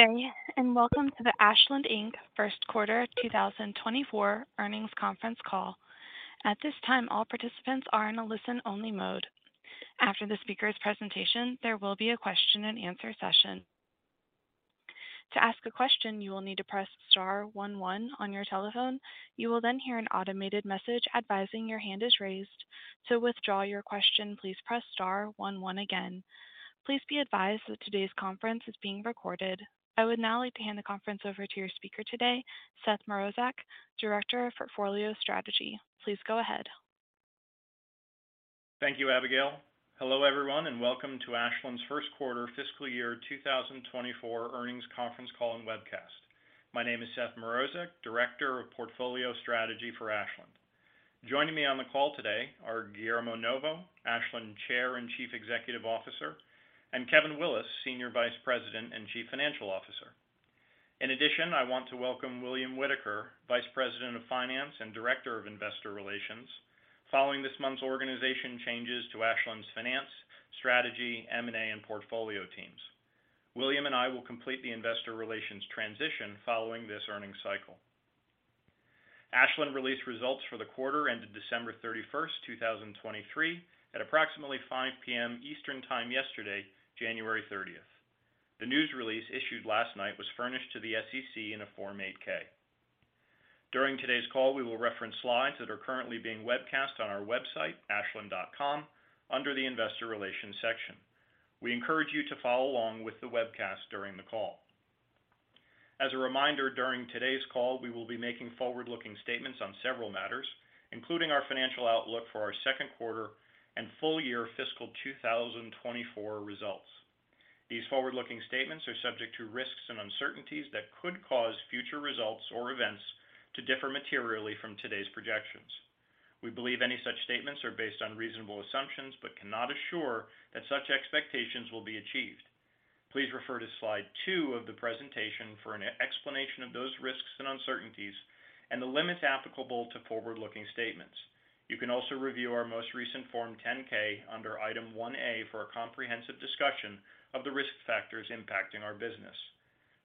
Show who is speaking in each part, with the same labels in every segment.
Speaker 1: Good day, and welcome to the Ashland Inc. First Quarter 2024 Earnings Conference Call. At this time, all participants are in a listen-only mode. After the speaker's presentation, there will be a question-and-answer session. To ask a question, you will need to press star one, one on your telephone. You will then hear an automated message advising your hand is raised. To withdraw your question, please press star one, one again. Please be advised that today's conference is being recorded. I would now like to hand the conference over to your speaker today, Seth Mrozek, Director of Portfolio Strategy. Please go ahead.
Speaker 2: Thank you, Abigail. Hello, everyone, and welcome to Ashland's first quarter fiscal year 2024 earnings conference call and webcast. My name is Seth Mrozek, Director of Portfolio Strategy for Ashland. Joining me on the call today are Guillermo Novo, Ashland Chair and Chief Executive Officer, and Kevin Willis, Senior Vice President and Chief Financial Officer. In addition, I want to welcome William Whitaker, Vice President of Finance and Director of Investor Relations, following this month's organization changes to Ashland's finance, strategy, M&A, and portfolio teams. William and I will complete the investor relations transition following this earnings cycle. Ashland released results for the quarter ended December 31, 2023, at approximately 5:00 P.M. Eastern Time yesterday, January 30. The news release issued last night was furnished to the SEC in a Form 8-K. During today's call, we will reference slides that are currently being webcast on our website, ashland.com, under the Investor Relations section. We encourage you to follow along with the webcast during the call. As a reminder, during today's call, we will be making forward-looking statements on several matters, including our financial outlook for our second quarter and full year fiscal 2024 results. These forward-looking statements are subject to risks and uncertainties that could cause future results or events to differ materially from today's projections. We believe any such statements are based on reasonable assumptions, but cannot assure that such expectations will be achieved. Please refer to slide 2 of the presentation for an explanation of those risks and uncertainties and the limits applicable to forward-looking statements. You can also review our most recent Form 10-K under Item 1-A for a comprehensive discussion of the risk factors impacting our business.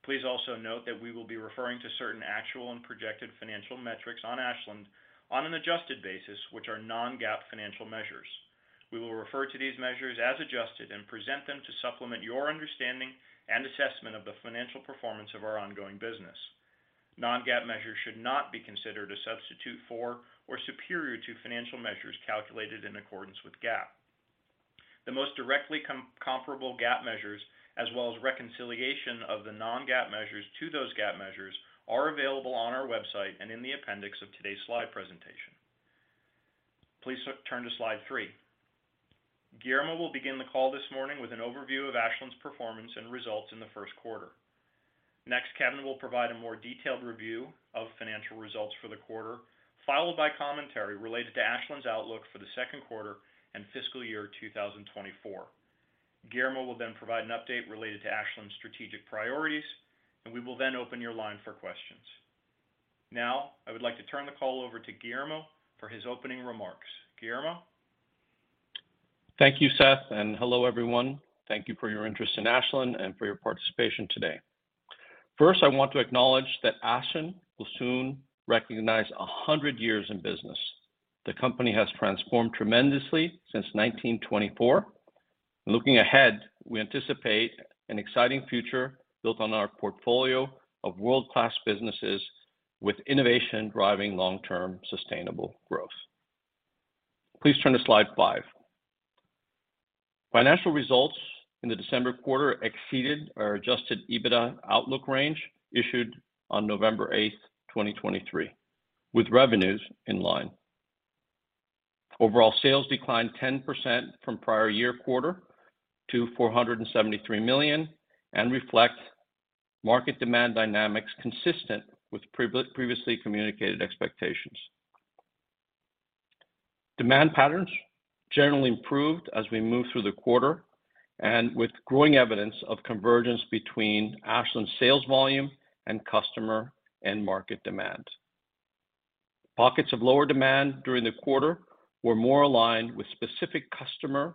Speaker 2: Please also note that we will be referring to certain actual and projected financial metrics on Ashland on an adjusted basis, which are non-GAAP financial measures. We will refer to these measures as adjusted and present them to supplement your understanding and assessment of the financial performance of our ongoing business. Non-GAAP measures should not be considered a substitute for or superior to financial measures calculated in accordance with GAAP. The most directly comparable GAAP measures, as well as reconciliation of the non-GAAP measures to those GAAP measures, are available on our website and in the appendix of today's slide presentation. Please turn to slide 3. Guillermo will begin the call this morning with an overview of Ashland's performance and results in the first quarter. Next, Kevin will provide a more detailed review of financial results for the quarter, followed by commentary related to Ashland's outlook for the second quarter and fiscal year 2024. Guillermo will then provide an update related to Ashland's strategic priorities, and we will then open your line for questions. Now, I would like to turn the call over to Guillermo for his opening remarks. Guillermo?
Speaker 3: Thank you, Seth, and hello, everyone. Thank you for your interest in Ashland and for your participation today. First, I want to acknowledge that Ashland will soon recognize 100 years in business. The company has transformed tremendously since 1924. Looking ahead, we anticipate an exciting future built on our portfolio of world-class businesses, with innovation driving long-term sustainable growth. Please turn to slide 5. Financial results in the December quarter exceeded our Adjusted EBITDA outlook range, issued on November 8, 2023, with revenues in line. Overall sales declined 10% from prior-year quarter to $473,000,000 and reflect market demand dynamics consistent with previously communicated expectations. Demand patterns generally improved as we moved through the quarter and with growing evidence of convergence between Ashland's sales volume and customer and market demand. Pockets of lower demand during the quarter were more aligned with specific customer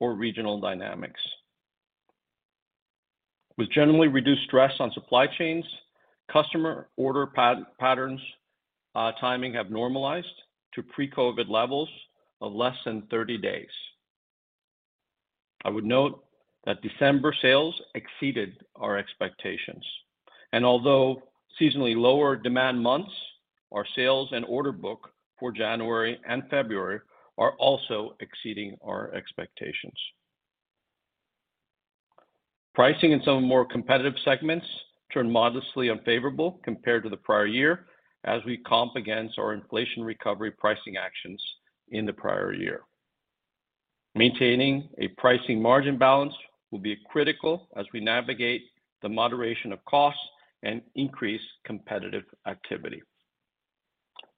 Speaker 3: or regional dynamics. With generally reduced stress on supply chains, customer order patterns, timing have normalized to pre-COVID levels of less than 30 days. I would note that December sales exceeded our expectations, and although seasonally lower demand months, our sales and order book for January and February are also exceeding our expectations. Pricing in some more competitive segments turned modestly unfavorable compared to the prior year as we comp against our inflation recovery pricing actions in the prior year. Maintaining a pricing margin balance will be critical as we navigate the moderation of costs and increase competitive activity.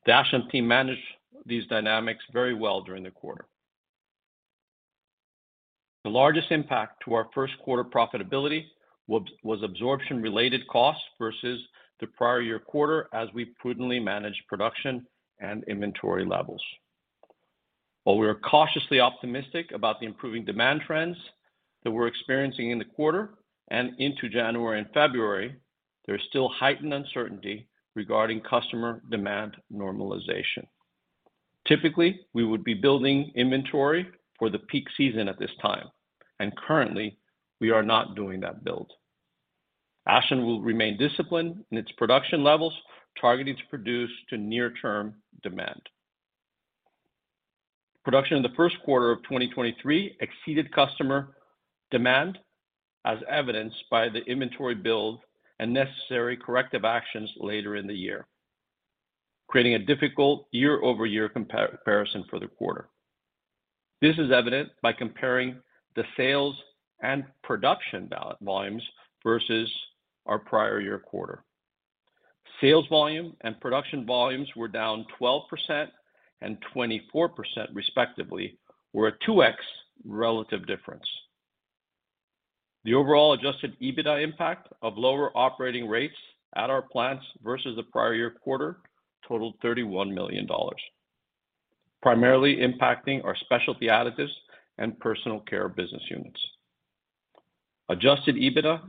Speaker 3: The Ashland team managed these dynamics very well during the quarter. The largest impact to our first quarter profitability was absorption-related costs versus the prior year quarter, as we prudently managed production and inventory levels.... While we are cautiously optimistic about the improving demand trends that we're experiencing in the quarter and into January and February, there is still heightened uncertainty regarding customer demand normalization. Typically, we would be building inventory for the peak season at this time, and currently, we are not doing that build. Ashland will remain disciplined in its production levels, targeting to produce to near-term demand. Production in the first quarter of 2023 exceeded customer demand, as evidenced by the inventory build and necessary corrective actions later in the year, creating a difficult year-over-year comparison for the quarter. This is evident by comparing the sales and production volumes versus our prior year quarter. Sales volume and production volumes were down 12% and 24%, respectively, or a 2x relative difference. The overall adjusted EBITDA impact of lower operating rates at our plants versus the prior year quarter totaled $31,000,000, primarily impacting our Specialty Additives and Personal Care business units. Adjusted EBITDA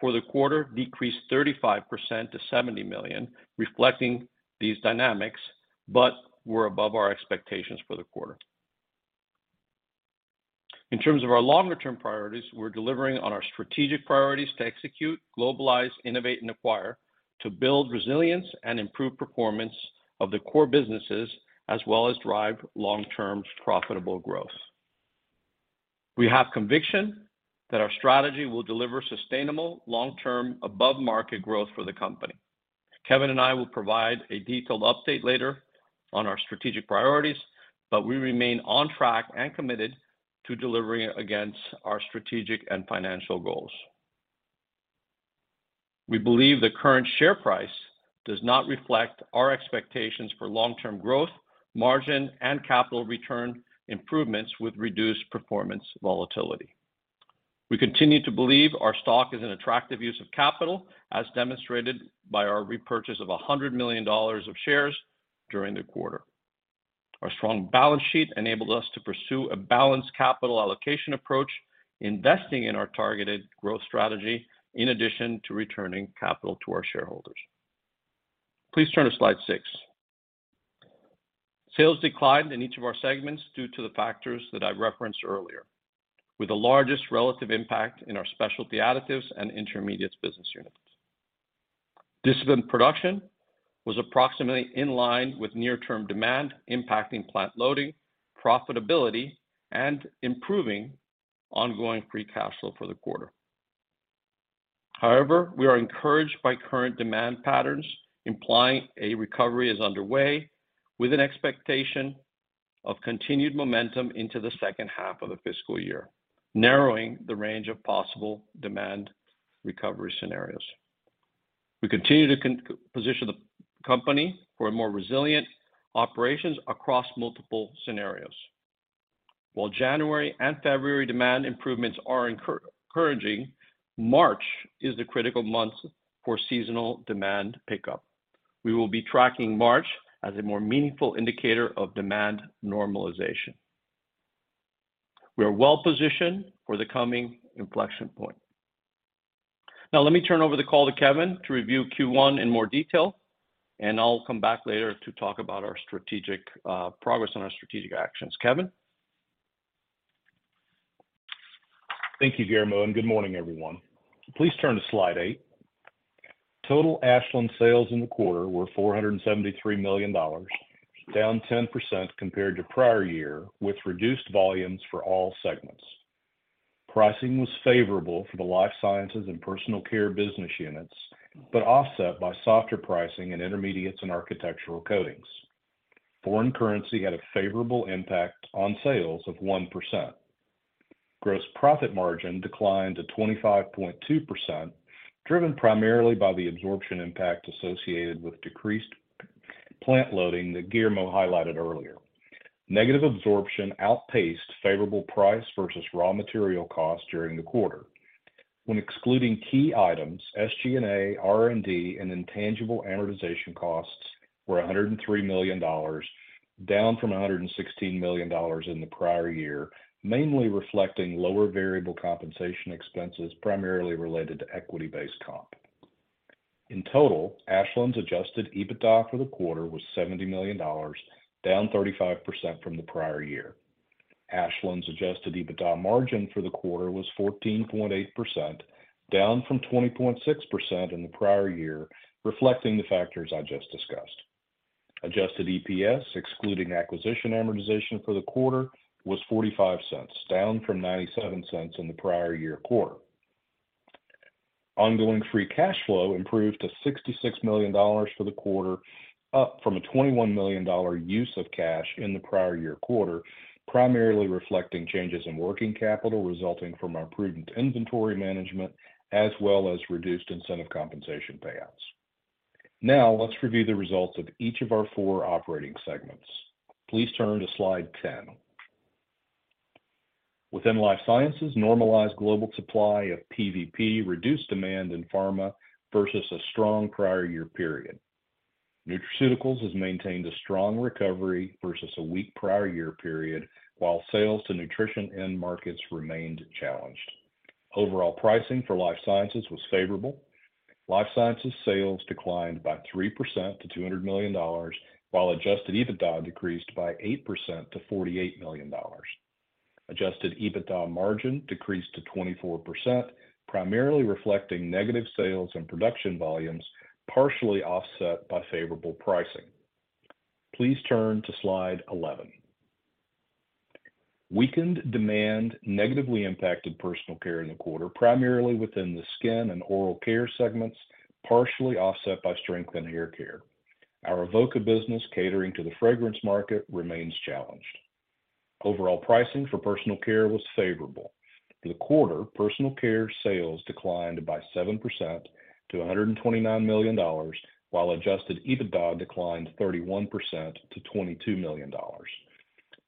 Speaker 3: for the quarter decreased 35% to $70,000,000, reflecting these dynamics, but were above our expectations for the quarter. In terms of our longer-term priorities, we're delivering on our strategic priorities to execute, globalize, innovate, and acquire, to build resilience and improve performance of the core businesses, as well as drive long-term profitable growth. We have conviction that our strategy will deliver sustainable, long-term, above-market growth for the company. Kevin and I will provide a detailed update later on our strategic priorities, but we remain on track and committed to delivering against our strategic and financial goals. We believe the current share price does not reflect our expectations for long-term growth, margin, and capital return improvements with reduced performance volatility. We continue to believe our stock is an attractive use of capital, as demonstrated by our repurchase of $100,000,000 of shares during the quarter. Our strong balance sheet enabled us to pursue a balanced capital allocation approach, investing in our targeted growth strategy, in addition to returning capital to our shareholders. Please turn to slide 6. Sales declined in each of our segments due to the factors that I referenced earlier, with the largest relative impact in our specialty additives and intermediates business units. Disciplined production was approximately in line with near-term demand, impacting plant loading, profitability, and improving ongoing free cash flow for the quarter. However, we are encouraged by current demand patterns, implying a recovery is underway, with an expectation of continued momentum into the second half of the fiscal year, narrowing the range of possible demand recovery scenarios. We continue to position the company for a more resilient operations across multiple scenarios. While January and February demand improvements are encouraging, March is the critical month for seasonal demand pickup. We will be tracking March as a more meaningful indicator of demand normalization. We are well-positioned for the coming inflection point. Now, let me turn over the call to Kevin to review Q1 in more detail, and I'll come back later to talk about our strategic progress on our strategic actions. Kevin?
Speaker 4: Thank you, Guillermo, and good morning, everyone. Please turn to slide 8. Total Ashland sales in the quarter were $473,000,000, down 10% compared to prior year, with reduced volumes for all segments. Pricing was favorable for the Life Sciences and Personal Care business units, but offset by softer pricing in Intermediates and architectural coatings. Foreign currency had a favorable impact on sales of 1%. Gross profit margin declined to 25.2%, driven primarily by the absorption impact associated with decreased plant loading that Guillermo highlighted earlier. Negative absorption outpaced favorable price versus raw material costs during the quarter. When excluding key items, SG&A, R&D, and intangible amortization costs were $103,000,000, down from $116,000,000 in the prior year, mainly reflecting lower variable compensation expenses, primarily related to equity-based comp. In total, Ashland's adjusted EBITDA for the quarter was $70,000,000, down 35% from the prior year. Ashland's adjusted EBITDA margin for the quarter was 14.8%, down from 20.6% in the prior year, reflecting the factors I just discussed. Adjusted EPS, excluding acquisition amortization for the quarter, was $0.45, down from $0.97 in the prior year quarter. Ongoing free cash flow improved to $66,000,000 for the quarter, up from a $21,000,000 use of cash in the prior year quarter, primarily reflecting changes in working capital resulting from our prudent inventory management, as well as reduced incentive compensation payouts. Now, let's review the results of each of our four operating segments. Please turn to slide 10. Within Life Sciences, normalized global supply of PVP reduced demand in pharma versus a strong prior year period. Nutraceuticals has maintained a strong recovery versus a weak prior year period, while sales to nutrition end markets remained challenged. Overall pricing for Life Sciences was favorable. Life Sciences sales declined by 3% to $200,000,000, while Adjusted EBITDA decreased by 8% to $48,000,000. Adjusted EBITDA margin decreased to 24%, primarily reflecting negative sales and production volumes, partially offset by favorable pricing. Please turn to slide 11. Weakened demand negatively impacted Personal Care in the quarter, primarily within the skin and oral care segments, partially offset by strength in hair care. Our Avoca business, catering to the fragrance market, remains challenged. Overall pricing for Personal Care was favorable. For the quarter, Personal Care sales declined by 7% to $129,000,000, while Adjusted EBITDA declined 31% to $22,000,000.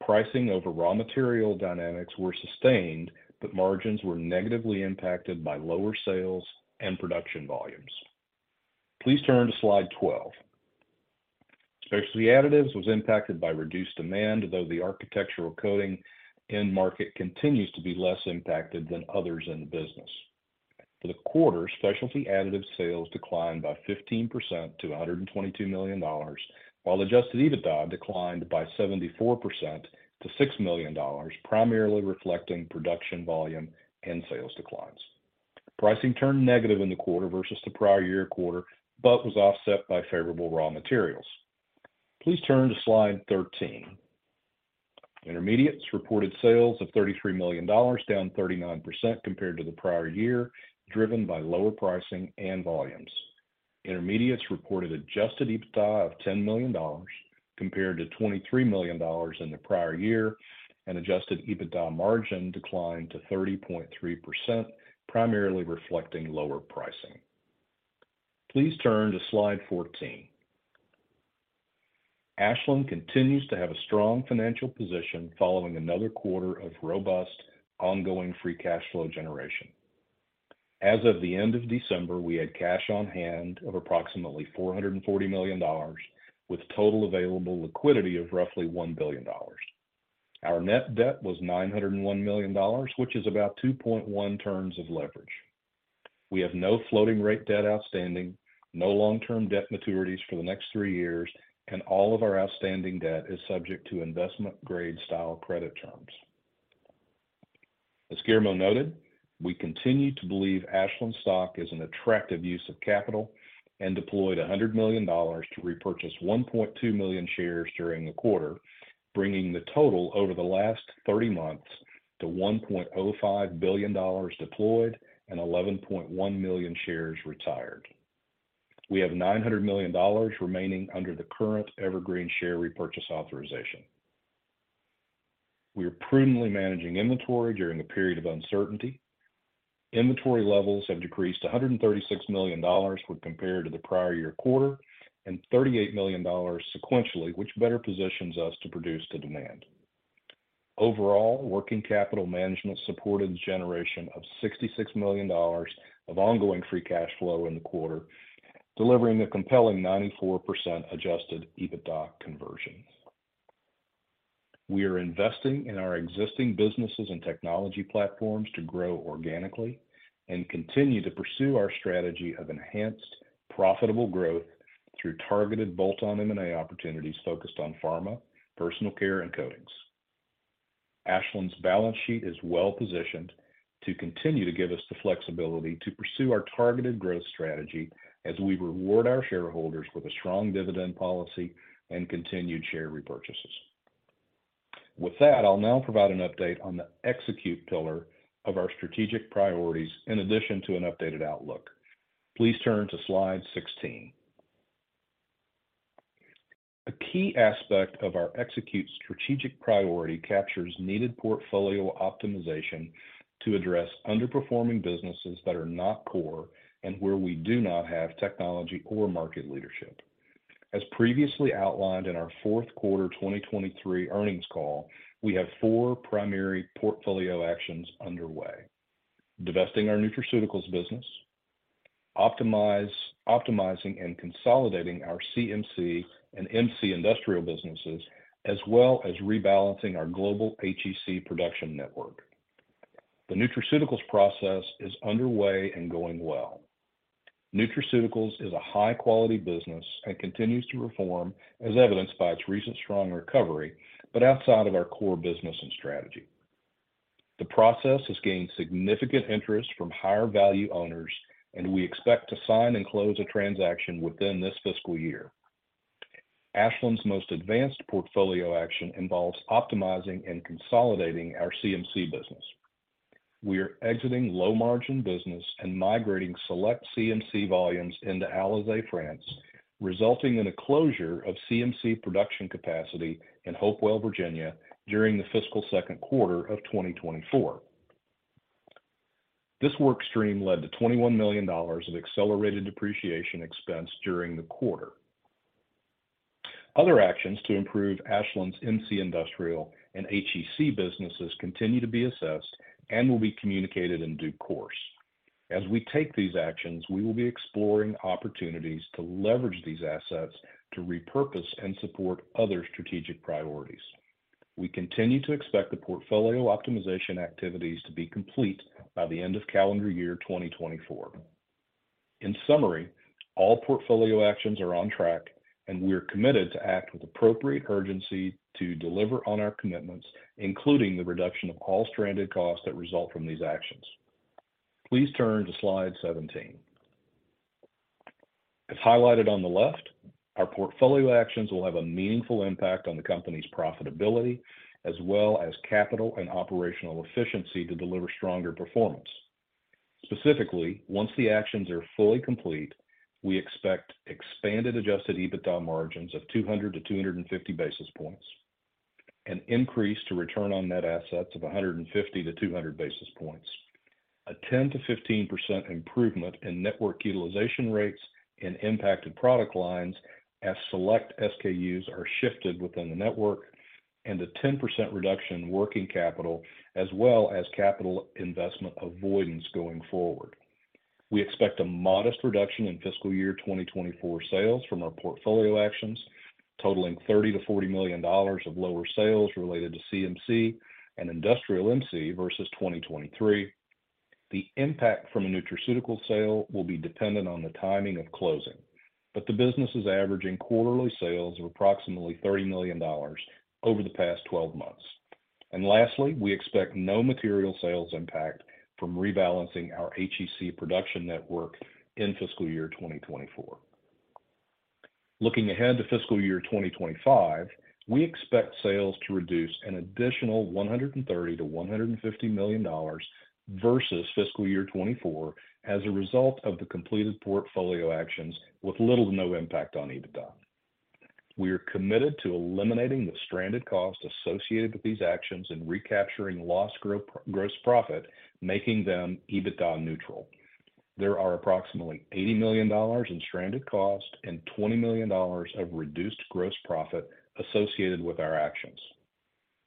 Speaker 4: Pricing over raw material dynamics were sustained, but margins were negatively impacted by lower sales and production volumes. Please turn to slide 12. Specialty Additives was impacted by reduced demand, though the architectural coating end market continues to be less impacted than others in the business. For the quarter, Specialty Additives sales declined by 15% to $122,000,000, while adjusted EBITDA declined by 74% to $6,000,000, primarily reflecting production volume and sales declines. Pricing turned negative in the quarter versus the prior year quarter, but was offset by favorable raw materials. Please turn to slide 13. Intermediates reported sales of $33,000,000, down 39% compared to the prior year, driven by lower pricing and volumes. Intermediates reported Adjusted EBITDA of $10,000,000 compared to $23,000,000 in the prior year, and Adjusted EBITDA margin declined to 30.3%, primarily reflecting lower pricing. Please turn to slide 14. Ashland continues to have a strong financial position following another quarter of robust, ongoing free cash flow generation. As of the end of December, we had cash on hand of approximately $440,000,000, with total available liquidity of roughly $1,000,000,000. Our net debt was $901,000,000, which is about 2.1 terms of leverage. We have no floating rate debt outstanding, no long-term debt maturities for the next three years, and all of our outstanding debt is subject to investment grade style credit terms. As Guillermo noted, we continue to believe Ashland's stock is an attractive use of capital and deployed $100,000,000 to repurchase 1,200,000 shares during the quarter, bringing the total over the last 30 months to $1,050,000,000 deployed and 11,100,000 shares retired. We have $900,000,000remaining under the current evergreen share repurchase authorization. We are prudently managing inventory during a period of uncertainty. Inventory levels have decreased to $136,000,000when compared to the prior year quarter, and $38,000,000sequentially, which better positions us to produce to demand. Overall, working capital management supported the generation of $66,000,000of ongoing free cash flow in the quarter, delivering a compelling 94% adjusted EBITDA conversion. We are investing in our existing businesses and technology platforms to grow organically and continue to pursue our strategy of enhanced, profitable growth through targeted bolt-on M&A opportunities focused on pharma, personal care, and coatings. Ashland's balance sheet is well-positioned to continue to give us the flexibility to pursue our targeted growth strategy as we reward our shareholders with a strong dividend policy and continued share repurchases. With that, I'll now provide an update on the execute pillar of our strategic priorities, in addition to an updated outlook. Please turn to slide 16. A key aspect of our execute strategic priority captures needed portfolio optimization to address underperforming businesses that are not core and where we do not have technology or market leadership. As previously outlined in our fourth quarter 2023 earnings call, we have four primary portfolio actions underway: divesting our nutraceuticals business, optimizing and consolidating our CMC and MC industrial businesses, as well as rebalancing our global HEC production network. The nutraceuticals process is underway and going well. Nutraceuticals is a high-quality business and continues to perform, as evidenced by its recent strong recovery, but outside of our core business and strategy. The process has gained significant interest from higher-value owners, and we expect to sign and close a transaction within this fiscal year. Ashland's most advanced portfolio action involves optimizing and consolidating our CMC business. We are exiting low-margin business and migrating select CMC volumes into Alizay, France, resulting in a closure of CMC production capacity in Hopewell, Virginia, during the fiscal second quarter of 2024. This work stream led to $21,000,000of accelerated depreciation expense during the quarter. Other actions to improve Ashland's MC Industrial and HEC businesses continue to be assessed and will be communicated in due course. As we take these actions, we will be exploring opportunities to leverage these assets to repurpose and support other strategic priorities. We continue to expect the portfolio optimization activities to be complete by the end of calendar year 2024. In summary, all portfolio actions are on track, and we are committed to act with appropriate urgency to deliver on our commitments, including the reduction of all stranded costs that result from these actions. Please turn to Slide 17. As highlighted on the left, our portfolio actions will have a meaningful impact on the company's profitability, as well as capital and operational efficiency to deliver stronger performance. Specifically, once the actions are fully complete, we expect expanded Adjusted EBITDA margins of 200-250 basis points, an increase to return on net assets of 150-200 basis points, a 10%-15% improvement in network utilization rates in impacted product lines as select SKUs are shifted within the network, and a 10% reduction in working capital, as well as capital investment avoidance going forward. We expect a modest reduction in fiscal year 2024 sales from our portfolio actions, totaling $30,000,000-$40,000,000 of lower sales related to CMC and Industrial MC versus 2023. The impact from a nutraceutical sale will be dependent on the timing of closing, but the business is averaging quarterly sales of approximately $30,000,000 over the past twelve months. Lastly, we expect no material sales impact from rebalancing our HEC production network in fiscal year 2024. Looking ahead to fiscal year 2025, we expect sales to reduce an additional $130,000,000-$150,000,000versus fiscal year 2024 as a result of the completed portfolio actions with little to no impact on EBITDA. We are committed to eliminating the stranded costs associated with these actions and recapturing lost gross profit, making them EBITDA neutral. There are approximately $80,000,000in stranded costs and $20,000,000of reduced gross profit associated with our actions.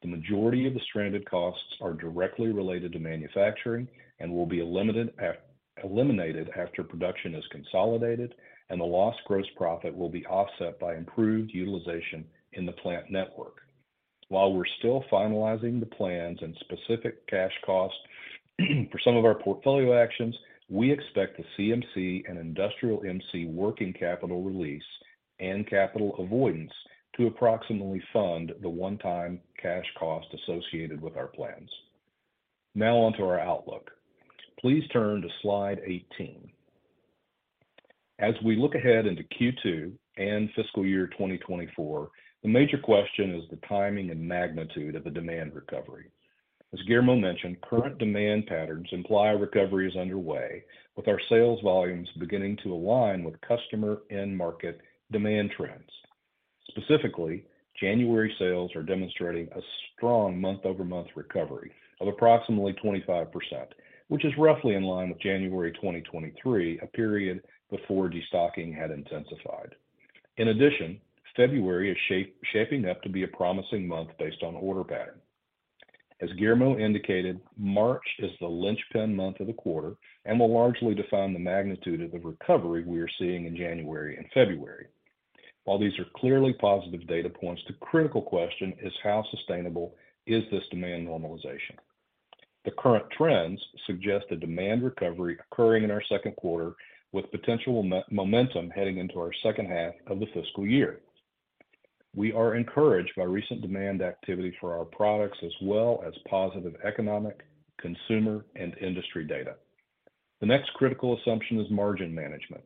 Speaker 4: The majority of the stranded costs are directly related to manufacturing and will be eliminated after production is consolidated, and the lost gross profit will be offset by improved utilization in the plant network. While we're still finalizing the plans and specific cash costs for some of our portfolio actions, we expect the CMC and Industrial MC working capital release and capital avoidance to approximately fund the one-time cash cost associated with our plans. Now on to our outlook. Please turn to Slide 18. As we look ahead into Q2 and fiscal year 2024, the major question is the timing and magnitude of the demand recovery. As Guillermo mentioned, current demand patterns imply recovery is underway, with our sales volumes beginning to align with customer and market demand trends. Specifically, January sales are demonstrating a strong month-over-month recovery of approximately 25%, which is roughly in line with January 2023, a period before destocking had intensified. In addition, February is shaping up to be a promising month based on order pattern. As Guillermo indicated, March is the linchpin month of the quarter and will largely define the magnitude of the recovery we are seeing in January and February. While these are clearly positive data points, the critical question is: How sustainable is this demand normalization? The current trends suggest a demand recovery occurring in our second quarter, with potential momentum heading into our second half of the fiscal year. We are encouraged by recent demand activity for our products, as well as positive economic, consumer, and industry data. The next critical assumption is margin management.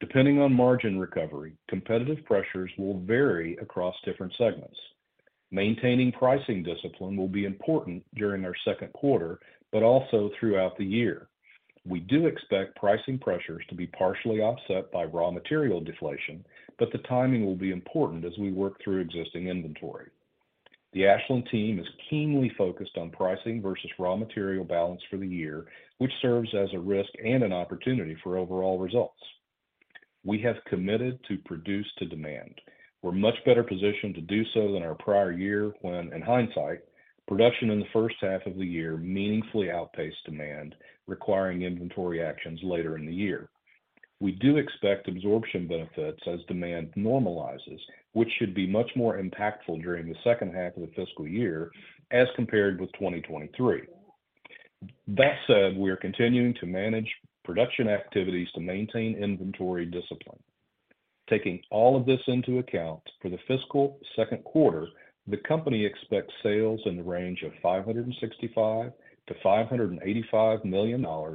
Speaker 4: Depending on margin recovery, competitive pressures will vary across different segments. Maintaining pricing discipline will be important during our second quarter, but also throughout the year. We do expect pricing pressures to be partially offset by raw material deflation, but the timing will be important as we work through existing inventory. The Ashland team is keenly focused on pricing versus raw material balance for the year, which serves as a risk and an opportunity for overall results. We have committed to produce to demand. We're much better positioned to do so than our prior year when, in hindsight, production in the first half of the year meaningfully outpaced demand, requiring inventory actions later in the year. We do expect absorption benefits as demand normalizes, which should be much more impactful during the second half of the fiscal year as compared with 2023. That said, we are continuing to manage production activities to maintain inventory discipline. Taking all of this into account, for the fiscal second quarter, the company expects sales in the range of $565,000,000-$585,000,000and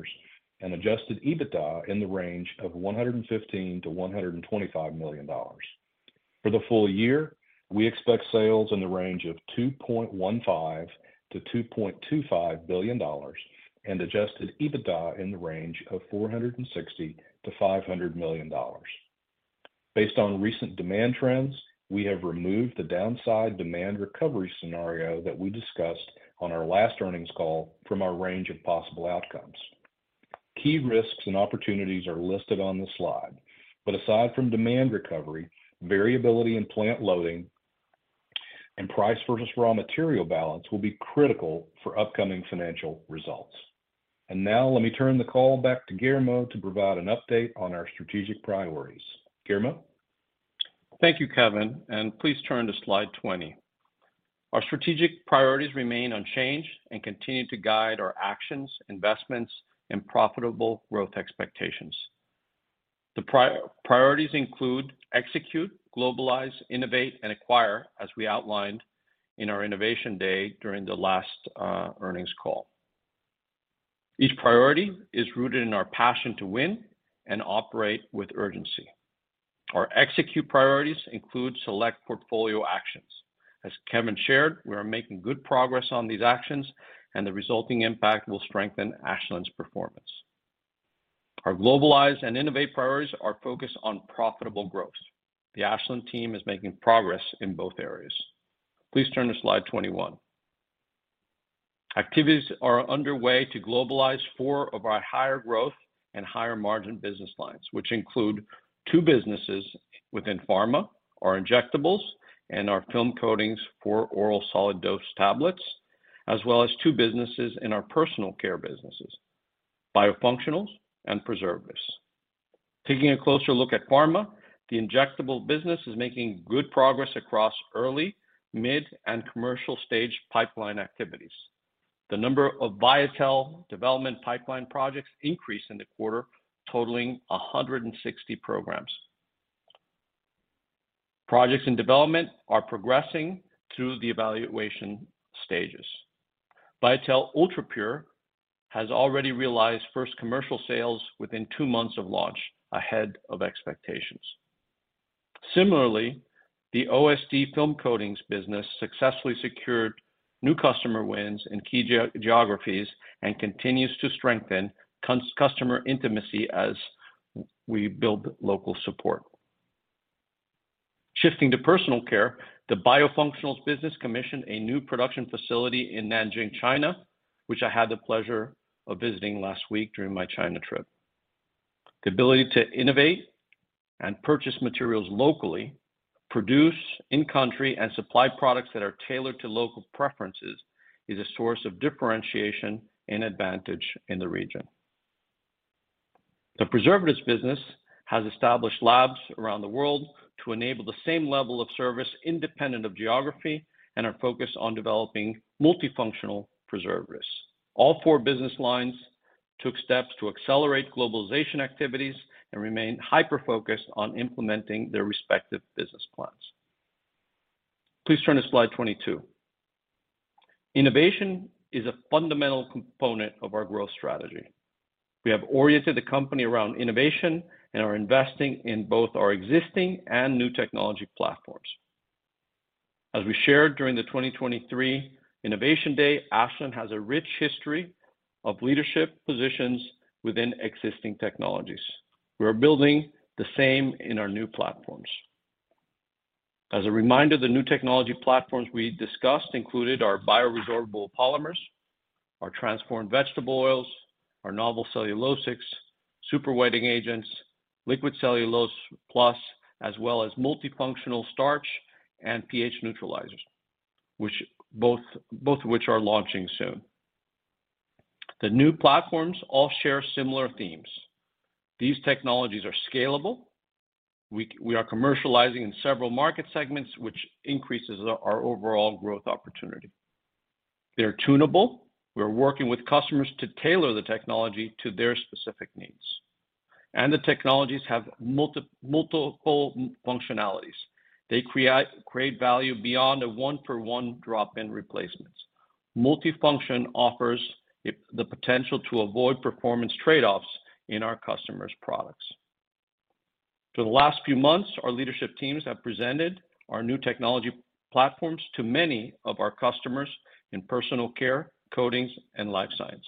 Speaker 4: Adjusted EBITDA in the range of $115,000,000-$125,000,000. For the full year, we expect sales in the range of $2,150,000,000-$2,250,000,000 and Adjusted EBITDA in the range of $460,000,000-$500,000,000.... Based on recent demand trends, we have removed the downside demand recovery scenario that we discussed on our last earnings call from our range of possible outcomes. Key risks and opportunities are listed on the slide, but aside from demand recovery, variability in plant loading, and price versus raw material balance will be critical for upcoming financial results. Now let me turn the call back to Guillermo to provide an update on our strategic priorities. Guillermo?
Speaker 3: Thank you, Kevin, and please turn to slide 20. Our strategic priorities remain unchanged and continue to guide our actions, investments, and profitable growth expectations. The priorities include execute, globalize, innovate, and acquire, as we outlined in our innovation day during the last earnings call. Each priority is rooted in our passion to win and operate with urgency. Our execute priorities include select portfolio actions. As Kevin shared, we are making good progress on these actions, and the resulting impact will strengthen Ashland's performance. Our globalize and innovate priorities are focused on profitable growth. The Ashland team is making progress in both areas. Please turn to slide 21. Activities are underway to globalize four of our higher growth and higher margin business lines, which include two businesses within pharma, our injectables, and our film coatings for oral solid dose tablets, as well as two businesses in our personal care businesses, biofunctionals and preservatives. Taking a closer look at pharma, the injectable business is making good progress across early, mid, and commercial stage pipeline activities. The number of Viatel development pipeline projects increased in the quarter, totaling 160 programs. Projects in development are progressing through the evaluation stages. Viatel UltraPure has already realized first commercial sales within two months of launch, ahead of expectations. Similarly, the OSD film coatings business successfully secured new customer wins in key geographies and continues to strengthen customer intimacy as we build local support. Shifting to personal care, the Biofunctionals business commissioned a new production facility in Nanjing, China, which I had the pleasure of visiting last week during my China trip. The ability to innovate and purchase materials locally, produce in-country, and supply products that are tailored to local preferences is a source of differentiation and advantage in the region. The preservatives business has established labs around the world to enable the same level of service independent of geography and are focused on developing multifunctional preservatives. All four business lines took steps to accelerate globalization activities and remain hyper-focused on implementing their respective business plans. Please turn to slide 22. Innovation is a fundamental component of our growth strategy. We have oriented the company around innovation and are investing in both our existing and new technology platforms. As we shared during the 2023 Innovation Day, Ashland has a rich history of leadership positions within existing technologies. We are building the same in our new platforms. As a reminder, the new technology platforms we discussed included our bioresorbable polymers, our transformed vegetable oils, our novel cellulosics, super wetting agents, liquid cellulose plus, as well as multifunctional starch and pH neutralizers, both of which are launching soon. The new platforms all share similar themes. These technologies are scalable. We are commercializing in several market segments, which increases our overall growth opportunity. They're tunable. We're working with customers to tailor the technology to their specific needs, and the technologies have multiple functionalities. They create value beyond a one-for-one drop-in replacements. Multifunction offers it the potential to avoid performance trade-offs in our customers' products. For the last few months, our leadership teams have presented our new technology platforms to many of our customers in Personal Care, coatings, and Life Sciences.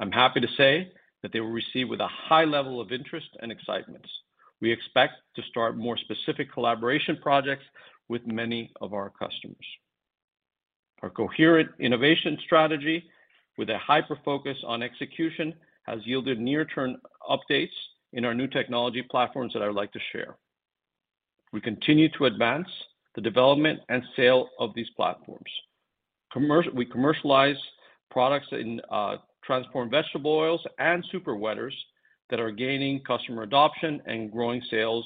Speaker 3: I'm happy to say that they were received with a high level of interest and excitements. We expect to start more specific collaboration projects with many of our customers. Our coherent innovation strategy, with a hyper-focus on execution, has yielded near-term updates in our new technology platforms that I would like to share. We continue to advance the development and sale of these platforms. We commercialize products in transformed vegetable oils and super wetters that are gaining customer adoption and growing sales,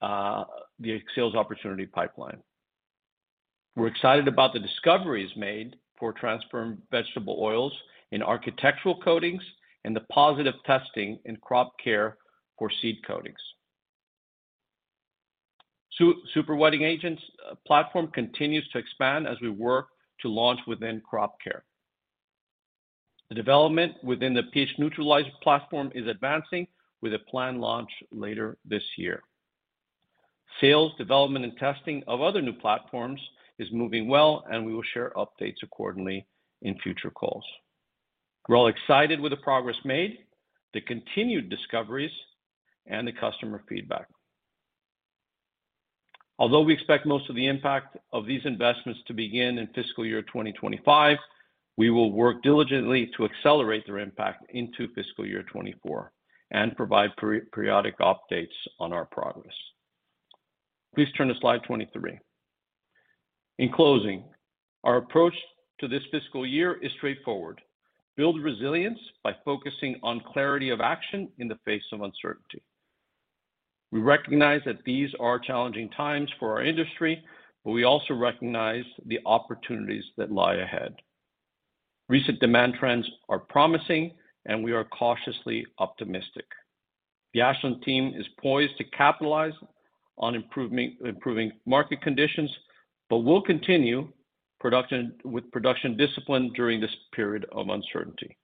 Speaker 3: the sales opportunity pipeline. We're excited about the discoveries made for transformed vegetable oils in architectural coatings and the positive testing in crop care for seed coatings. Super wetting agents platform continues to expand as we work to launch within crop care. The development within the pH neutralizer platform is advancing with a planned launch later this year. Sales, development, and testing of other new platforms is moving well, and we will share updates accordingly in future calls. We're all excited with the progress made, the continued discoveries, and the customer feedback. Although we expect most of the impact of these investments to begin in fiscal year 2025, we will work diligently to accelerate their impact into fiscal year 2024, and provide periodic updates on our progress. Please turn to slide 23. In closing, our approach to this fiscal year is straightforward: build resilience by focusing on clarity of action in the face of uncertainty. We recognize that these are challenging times for our industry, but we also recognize the opportunities that lie ahead. Recent demand trends are promising, and we are cautiously optimistic. The Ashland team is poised to capitalize on improving market conditions, but we'll continue with production discipline during this period of uncertainty.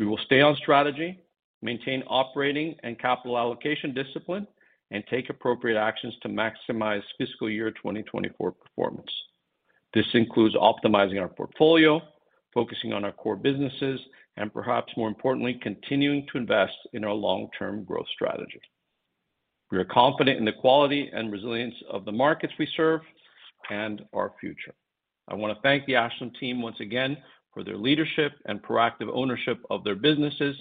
Speaker 3: We will stay on strategy, maintain operating and capital allocation discipline, and take appropriate actions to maximize fiscal year 2024 performance. This includes optimizing our portfolio, focusing on our core businesses, and perhaps more importantly, continuing to invest in our long-term growth strategy. We are confident in the quality and resilience of the markets we serve and our future. I want to thank the Ashland team once again for their leadership and proactive ownership of their businesses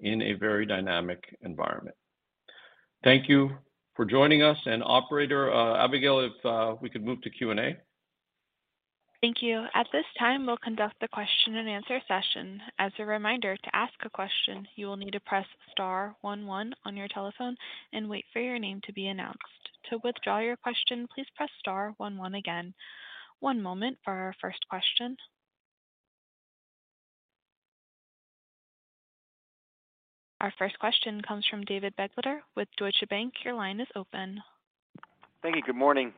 Speaker 3: in a very dynamic environment. Thank you for joining us, and operator, Abigail, if we could move to Q&A.
Speaker 1: Thank you. At this time, we'll conduct the question and answer session. As a reminder, to ask a question, you will need to press star one one on your telephone and wait for your name to be announced. To withdraw your question, please press star one one again. One moment for our first question. Our first question comes from David Begleiter with Deutsche Bank. Your line is open.
Speaker 5: Thank you. Good morning.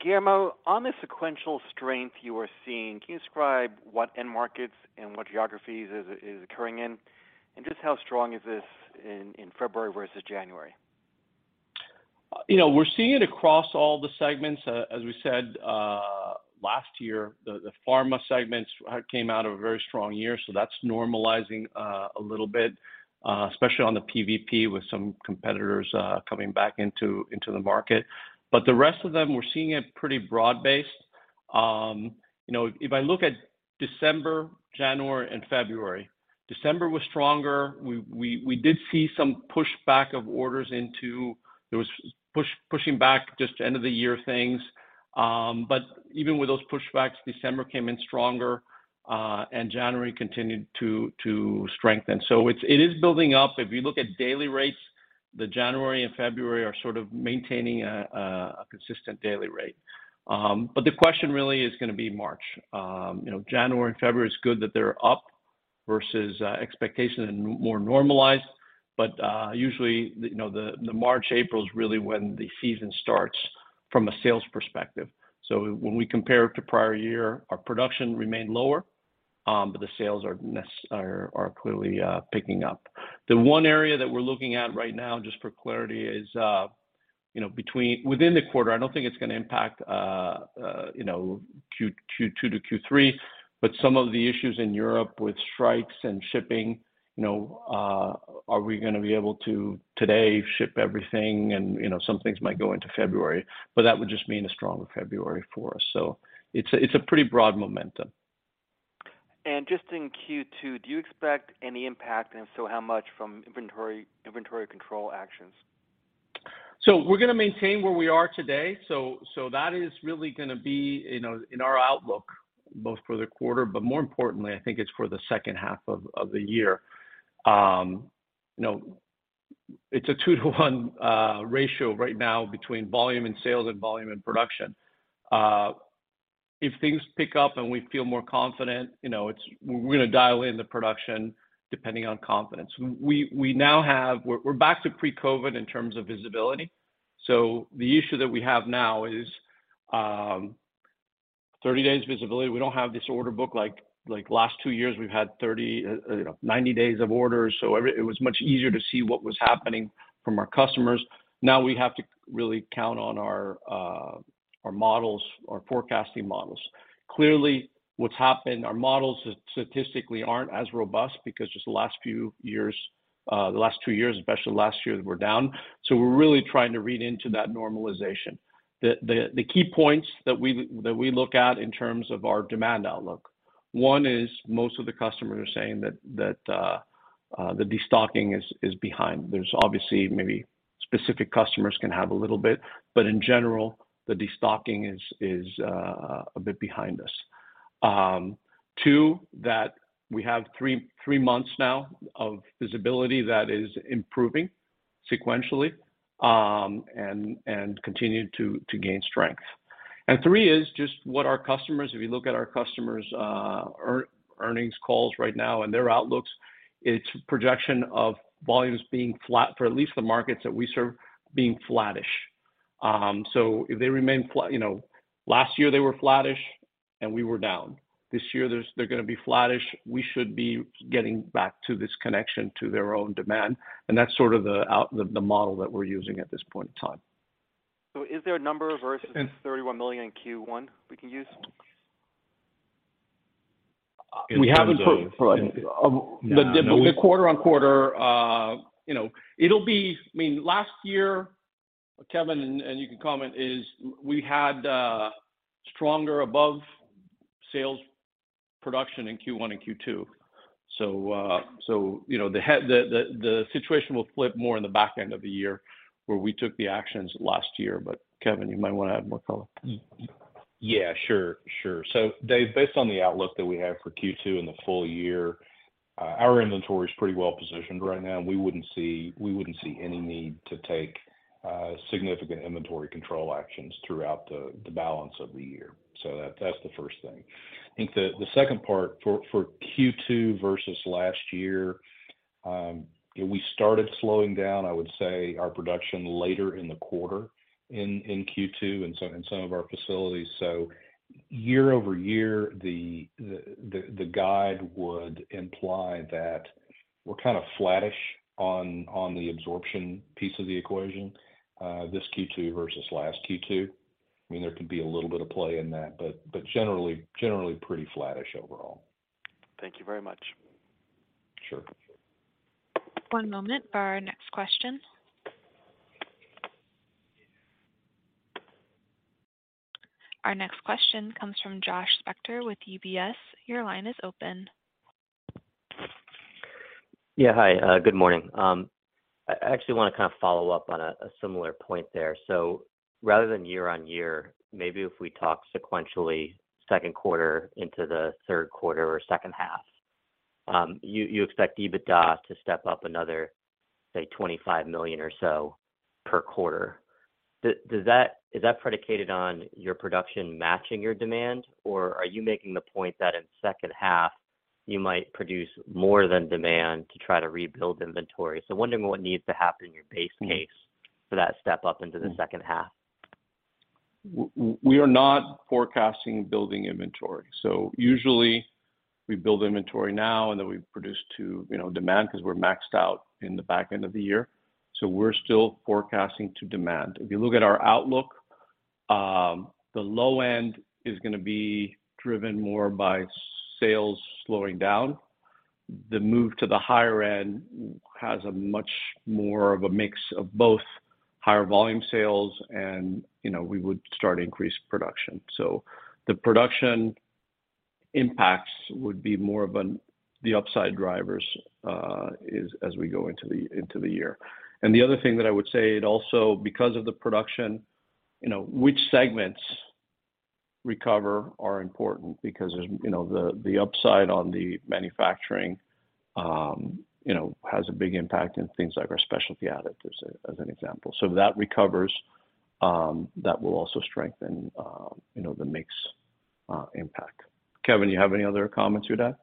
Speaker 5: Guillermo, on the sequential strength you are seeing, can you describe what end markets and what geographies is occurring in? Just how strong is this in February versus January?
Speaker 3: You know, we're seeing it across all the segments. As we said, last year, the pharma segments came out of a very strong year, so that's normalizing a little bit, especially on the PVP, with some competitors coming back into the market. But the rest of them, we're seeing it pretty broad-based. You know, if I look at December, January, and February, December was stronger. We did see some pushback of orders. There was pushing back just end of the year things. But even with those pushbacks, December came in stronger, and January continued to strengthen. So it is building up. If you look at daily rates, the January and February are sort of maintaining a consistent daily rate. But the question really is gonna be March. You know, January and February, it's good that they're up versus expectations and more normalized, but usually, you know, the March, April is really when the season starts from a sales perspective. So when we compare it to prior year, our production remained lower, but the sales are clearly picking up. The one area that we're looking at right now, just for clarity, is you know, within the quarter, I don't think it's gonna impact you know, Q2 to Q3, but some of the issues in Europe with strikes and shipping, you know, are we gonna be able to today ship everything and you know, some things might go into February, but that would just mean a stronger February for us. So it's a pretty broad momentum.
Speaker 5: Just in Q2, do you expect any impact? If so, how much from inventory, inventory control actions?
Speaker 3: So we're gonna maintain where we are today. So, so that is really gonna be, you know, in our outlook, both for the quarter, but more importantly, I think it's for the second half of, of the year. You know, it's a 2-to-1 ratio right now between volume and sales and volume and production. If things pick up and we feel more confident, you know, it's- we're gonna dial in the production depending on confidence. We, we now have-- we're, we're back to pre-COVID in terms of visibility. So the issue that we have now is, 30 days visibility. We don't have this order book like, like last two years, we've had 30, you know, 90 days of orders, so every-- it was much easier to see what was happening from our customers. Now, we have to really count on our models, our forecasting models. Clearly, what's happened, our models statistically aren't as robust because just the last few years, the last two years, especially last year, we're down. So we're really trying to read into that normalization. The key points that we look at in terms of our demand outlook, one is most of the customers are saying that the destocking is behind. There's obviously maybe specific customers can have a little bit, but in general, the destocking is a bit behind us. Two, that we have three months now of visibility that is improving sequentially, and continue to gain strength. And three is just what our customers' earnings calls right now and their outlooks, it's projection of volumes being flat, for at least the markets that we serve, being flattish. So if they remain flat... You know, last year they were flattish, and we were down. This year, they're gonna be flattish. We should be getting back to this connection to their own demand, and that's sort of the, the model that we're using at this point in time....
Speaker 5: Is there a number versus $31,000,000 in Q1 we can use?
Speaker 3: We haven't put the quarter-on-quarter, you know, it'll be—I mean, last year, Kevin, and you can comment, is we had stronger above sales production in Q1 and Q2. So, you know, the situation will flip more in the back end of the year, where we took the actions last year. But Kevin, you might want to add more color.
Speaker 4: Yeah, sure, sure. So Dave, based on the outlook that we have for Q2 and the full year, our inventory is pretty well positioned right now, and we wouldn't see any need to take significant inventory control actions throughout the balance of the year. So that's the first thing. I think the second part, for Q2 versus last year, we started slowing down, I would say, our production later in the quarter in Q2 in some of our facilities. So year-over-year, the guide would imply that we're kind of flattish on the absorption piece of the equation, this Q2 versus last Q2. I mean, there could be a little bit of play in that, but generally pretty flattish overall.
Speaker 5: Thank you very much.
Speaker 4: Sure.
Speaker 1: One moment for our next question. Our next question comes from Josh Spector with UBS. Your line is open.
Speaker 6: Yeah, hi, good morning. I actually want to kind of follow up on a similar point there. So rather than year-on-year, maybe if we talk sequentially, second quarter into the third quarter or second half, you expect EBITDA to step up another, say, $25,000,000or so per quarter. Does that, is that predicated on your production matching your demand? Or are you making the point that in second half, you might produce more than demand to try to rebuild inventory? So wondering what needs to happen in your base case for that step up into the second half.
Speaker 3: We are not forecasting building inventory. So usually, we build inventory now, and then we produce to, you know, demand because we're maxed out in the back end of the year. So we're still forecasting to demand. If you look at our outlook, the low end is going to be driven more by sales slowing down. The move to the higher end has a much more of a mix of both higher volume sales and, you know, we would start to increase production. So the production impacts would be more of the upside drivers as we go into the year. And the other thing that I would say, it also because of the production, you know, which segments recover are important because, you know, the upside on the manufacturing, you know, has a big impact in things like our Specialty Additives, as an example. So if that recovers, that will also strengthen, you know, the mix impact. Kevin, you have any other comments to add?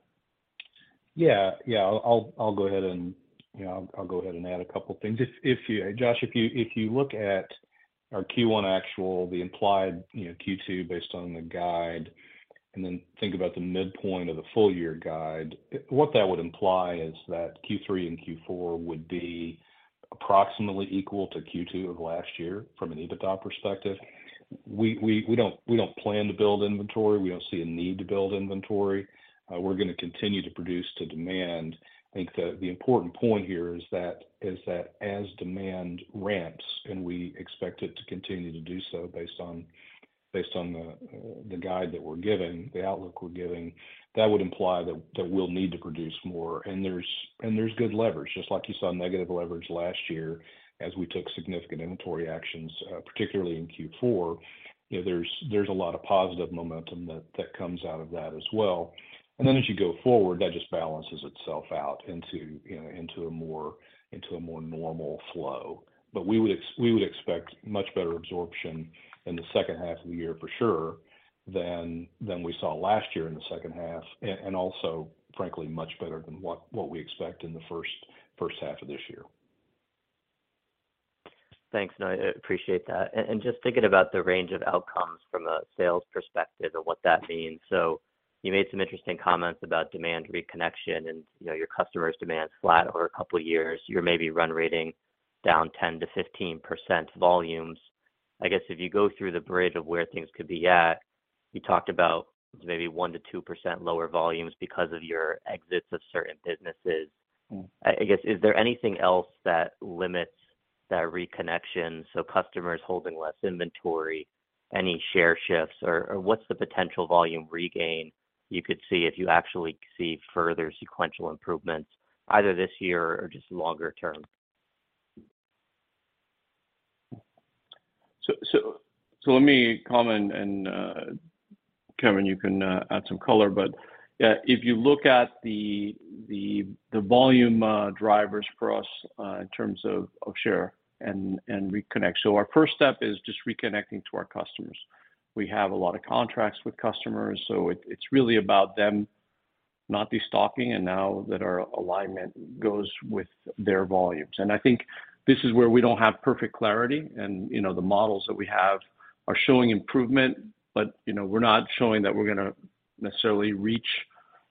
Speaker 4: Yeah. Yeah, I'll go ahead and, you know, I'll go ahead and add a couple of things. If you, Josh, if you look at our Q1 actual, the implied, you know, Q2 based on the guide, and then think about the midpoint of the full-year guide, what that would imply is that Q3 and Q4 would be approximately equal to Q2 of last year from an EBITDA perspective. We don't plan to build inventory. We don't see a need to build inventory. We're going to continue to produce to demand. I think the important point here is that as demand ramps, and we expect it to continue to do so based on the guide that we're giving, the outlook we're giving, that would imply that we'll need to produce more. And there's good leverage. Just like you saw negative leverage last year as we took significant inventory actions, particularly in Q4, you know, there's a lot of positive momentum that comes out of that as well. And then as you go forward, that just balances itself out into, you know, into a more normal flow. But we would expect much better absorption in the second half of the year, for sure, than we saw last year in the second half, and also, frankly, much better than what we expect in the first half of this year.
Speaker 6: Thanks. No, I appreciate that. And just thinking about the range of outcomes from a sales perspective and what that means. So you made some interesting comments about demand reconnection and, you know, your customers' demand is flat over a couple of years. You're maybe run rating down 10%-15% volumes. I guess if you go through the bridge of where things could be at, you talked about maybe 1%-2% lower volumes because of your exits of certain businesses.
Speaker 3: Mm-hmm.
Speaker 6: I guess, is there anything else that limits that reconnection, so customers holding less inventory, any share shifts, or, or what's the potential volume regain you could see if you actually see further sequential improvements, either this year or just longer term?
Speaker 3: Let me comment and, Kevin, you can add some color. But if you look at the volume drivers for us in terms of share and reconnect. So our first step is just reconnecting to our customers. We have a lot of contracts with customers, so it's really about them not destocking, and now that our alignment goes with their volumes. And I think this is where we don't have perfect clarity, and you know, the models that we have are showing improvement, but you know, we're not showing that we're going to necessarily reach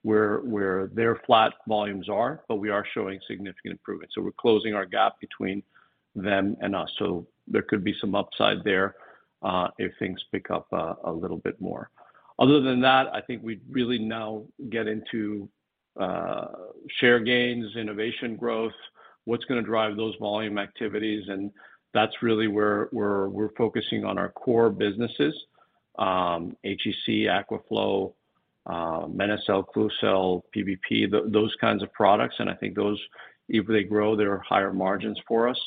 Speaker 3: where their flat volumes are, but we are showing significant improvement. So we're closing our gap between them and us. So there could be some upside there if things pick up a little bit more. Other than that, I think we really now get into share gains, innovation growth, what's gonna drive those volume activities, and that's really where we're focusing on our core businesses, HEC, Aquaflow, Benecel, Klucel, PVP, those kinds of products. And I think those, if they grow, there are higher margins for us.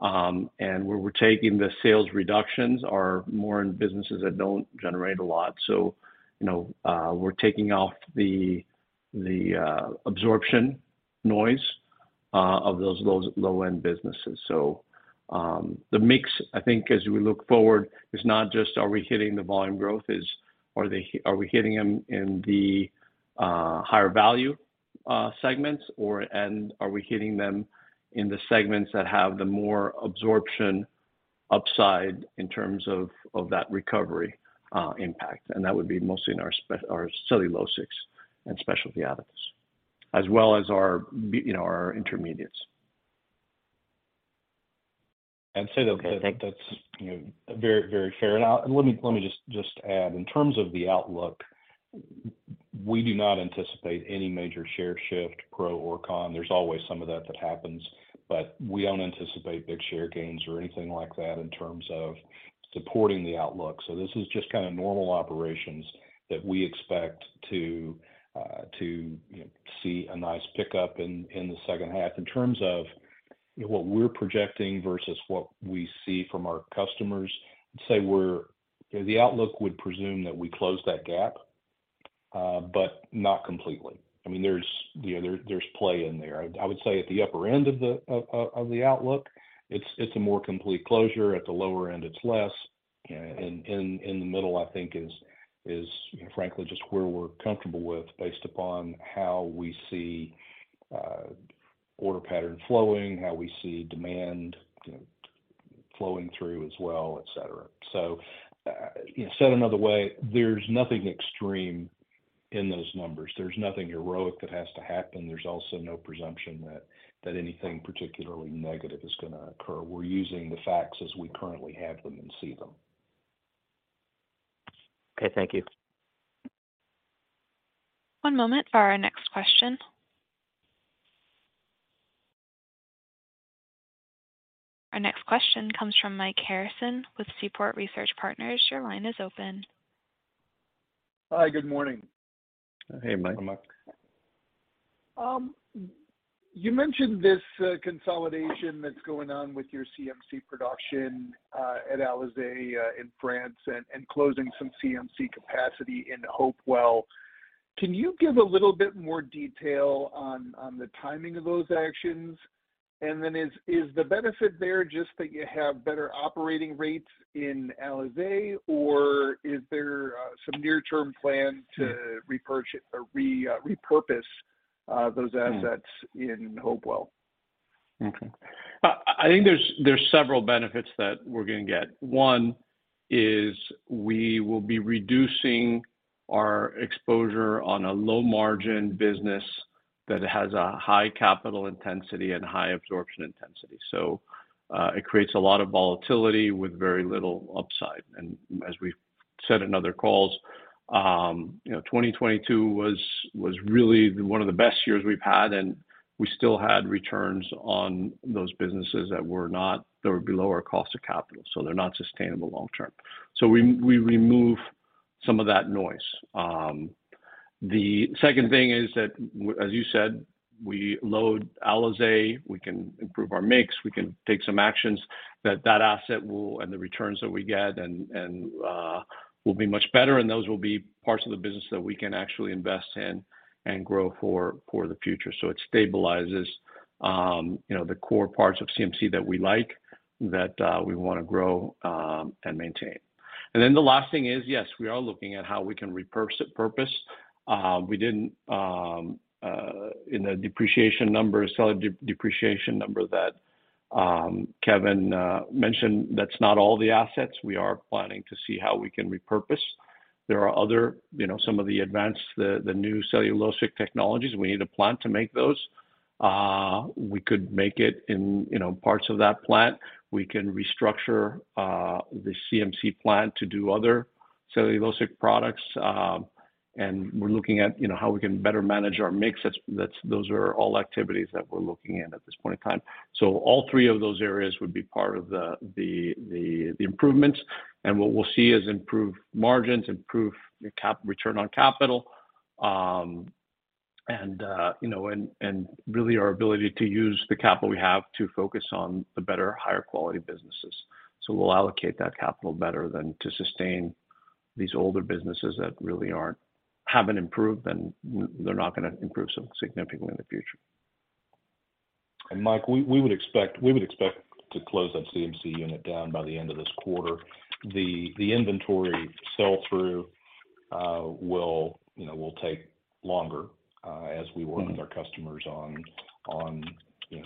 Speaker 3: And where we're taking the sales reductions are more in businesses that don't generate a lot. So, you know, we're taking out the absorption noise of those low-end businesses. So, the mix, I think, as we look forward, is not just are we hitting the volume growth, is are we hitting them in the higher value segments, or and are we hitting them in the segments that have the more absorption upside in terms of that recovery impact? And that would be mostly in our Cellulosics and Specialty Additives, as well as, you know, our Intermediates.
Speaker 4: I'd say that-
Speaker 7: Okay, thank you.
Speaker 4: That's, you know, very, very fair. And, let me just add, in terms of the outlook, we do not anticipate any major share shift, pro or con. There's always some of that happens, but we don't anticipate big share gains or anything like that in terms of supporting the outlook. So this is just kind of normal operations that we expect to, you know, see a nice pickup in the second half. In terms of, you know, what we're projecting versus what we see from our customers, I'd say we're... The outlook would presume that we close that gap, but not completely. I mean, there's, you know, play in there. I would say at the upper end of the outlook, it's a more complete closure. At the lower end, it's less. In the middle, I think is frankly just where we're comfortable with, based upon how we see order pattern flowing, how we see demand, you know, flowing through as well, et cetera. So, you know, said another way, there's nothing extreme in those numbers. There's nothing heroic that has to happen. There's also no presumption that anything particularly negative is gonna occur. We're using the facts as we currently have them and see them.
Speaker 7: Okay, thank you.
Speaker 1: One moment for our next question. Our next question comes from Mike Harrison with Seaport Research Partners. Your line is open.
Speaker 8: Hi, good morning.
Speaker 3: Hey, Mike.
Speaker 4: Hi, Mike.
Speaker 8: You mentioned this consolidation that's going on with your CMC production at Alizay in France, and closing some CMC capacity in Hopewell. Can you give a little bit more detail on the timing of those actions? And then is the benefit there just that you have better operating rates in Alizay, or is there some near-term plan to repurchase or re, repurpose those assets-
Speaker 3: Hmm.
Speaker 8: - in Hopewell?
Speaker 3: Okay. I think there's several benefits that we're gonna get. One is we will be reducing our exposure on a low-margin business that has a high capital intensity and high absorption intensity. So, it creates a lot of volatility with very little upside. And as we've said in other calls, you know, 2022 was really one of the best years we've had, and we still had returns on those businesses that were not, they were below our cost of capital, so they're not sustainable long term. So we remove some of that noise. The second thing is that, as you said, we load Alizay, we can improve our mix, we can take some actions that that asset will... The returns that we get will be much better, and those will be parts of the business that we can actually invest in and grow for the future. So it stabilizes, you know, the core parts of CMC that we like, that we want to grow, and maintain. And then the last thing is, yes, we are looking at how we can repurpose it. We didn't, in the depreciation numbers, depreciation number that Kevin mentioned, that's not all the assets. We are planning to see how we can repurpose. There are other, you know, some of the advanced, the new cellulosic technologies, we need a plant to make those. We could make it in, you know, parts of that plant. We can restructure the CMC plant to do other cellulosic products, and we're looking at, you know, how we can better manage our mix. That's those are all activities that we're looking at at this point in time. So all three of those areas would be part of the improvements. And what we'll see is improved margins, improved return on capital, and you know and really our ability to use the capital we have to focus on the better, higher quality businesses. So we'll allocate that capital better than to sustain these older businesses that really haven't improved, and they're not gonna improve significantly in the future.
Speaker 4: And Mike, we would expect to close that CMC unit down by the end of this quarter. The inventory sell-through, you know, will take longer as we work-
Speaker 3: Mm-hmm...
Speaker 4: with our customers on you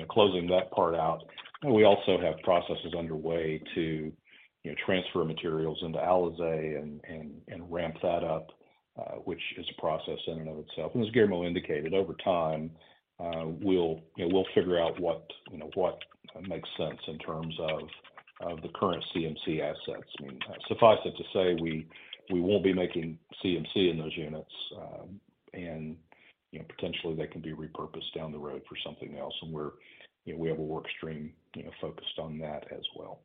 Speaker 4: know closing that part out. And we also have processes underway to you know transfer materials into Alizay and ramp that up, which is a process in and of itself. And as Guillermo indicated, over time, we'll you know figure out what you know what makes sense in terms of the current CMC assets. I mean, suffice it to say, we won't be making CMC in those units, and you know potentially they can be repurposed down the road for something else. And we you know have a work stream you know focused on that as well.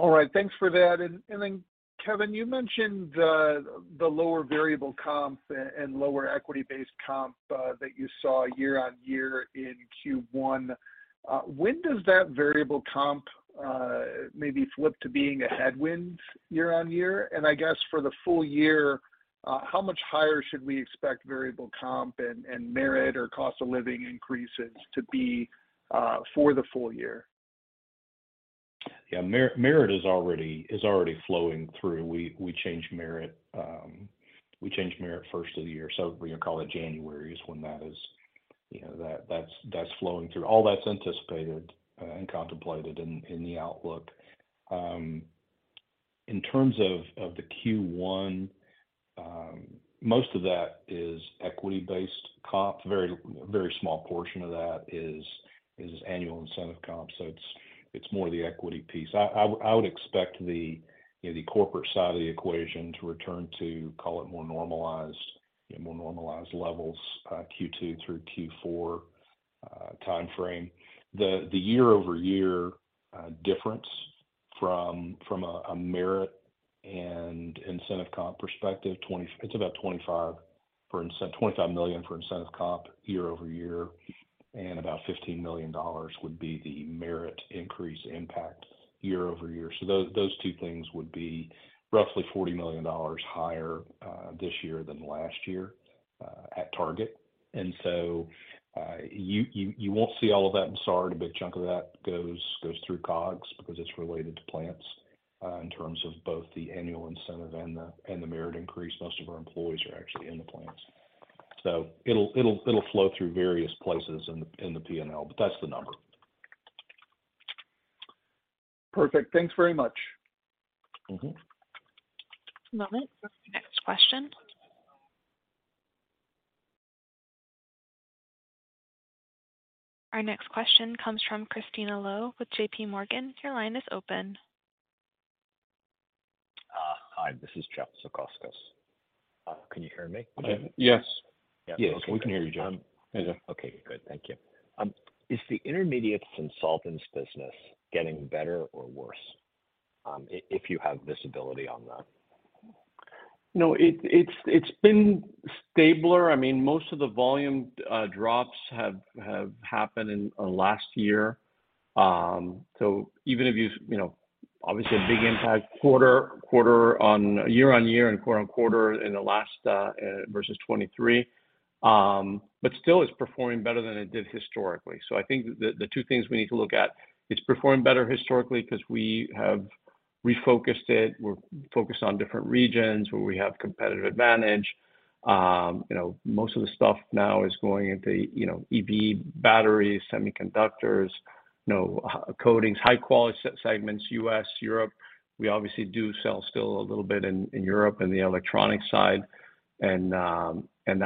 Speaker 8: All right. Thanks for that. And then, Kevin, you mentioned the lower variable comp and lower equity-based comp that you saw year-over-year in Q1. When does that variable comp maybe flip to being a headwind year-over-year? And I guess for the full year, how much higher should we expect variable comp and merit or cost of living increases to be for the full year?
Speaker 4: Yeah, merit is already flowing through. We changed merit first of the year. So we call it January, is when that is, you know, that's flowing through. All that's anticipated and contemplated in the outlook. In terms of the Q1, most of that is equity-based comp. Very, very small portion of that is annual incentive comp, so it's more the equity piece. I would expect the, you know, the corporate side of the equation to return to call it more normalized, you know, more normalized levels, Q2 through Q4 timeframe. The year-over-year difference from a merit and incentive comp perspective, it's about $25,000,000 for incentive comp year-over-year, and about $15,000,000 would be the merit increase impact year-over-year. So those two things would be roughly $40,000,000higher this year than last year at target. And so you won't see all of that in SAR, but a big chunk of that goes through COGS because it's related to plants in terms of both the annual incentive and the merit increase. Most of our employees are actually in the plants. So it'll flow through various places in the P&L, but that's the number.
Speaker 8: Perfect. Thanks very much.
Speaker 4: Mm-hmm.
Speaker 1: One moment. Next question. Our next question comes from Christina Lo with JP Morgan. Your line is open.
Speaker 9: Hi, this is Jeff Zekauskas. Can you hear me?
Speaker 4: Yes.
Speaker 8: Yes, we can hear you, Jeff.
Speaker 9: Okay, good. Thank you. Is the Intermediates business getting better or worse, if you have visibility on that?
Speaker 3: No, it's been stabler. I mean, most of the volume drops have happened in last year. So even if you know, obviously a big impact quarter-on-quarter on year-on-year and quarter-on-quarter in the last versus 2023. But still it's performing better than it did historically. So I think the two things we need to look at: it's performing better historically 'cause we have refocused it. We're focused on different regions where we have competitive advantage. You know, most of the stuff now is going into you know, EV batteries, semiconductors, you know, coatings, high-quality segments, U.S., Europe. We obviously do sell still a little bit in Europe in the electronic side, and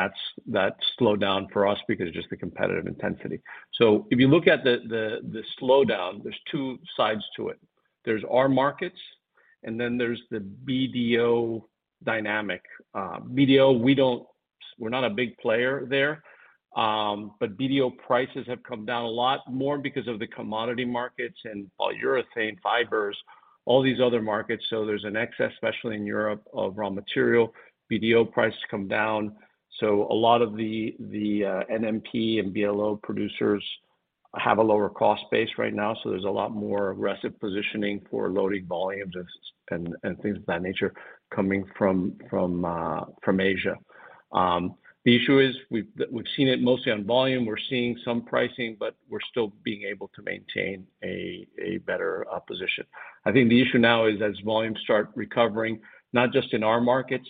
Speaker 3: that's slowed down for us because of just the comparative intensity. So if you look at the slowdown, there's 2 sides to it. There's our markets, and then there's the BDO dynamic. BDO, we don't, we're not a big player there, but BDO prices have come down a lot more because of the commodity markets and polyurethane fibers, all these other markets. So there's an excess, especially in Europe, of raw material. BDO prices come down, so a lot of the NMP and GBL producers have a lower cost base right now, so there's a lot more aggressive positioning for loading volumes and things of that nature coming from Asia. The issue is, we've seen it mostly on volume. We're seeing some pricing, but we're still being able to maintain a better position. I think the issue now is as volumes start recovering, not just in our markets,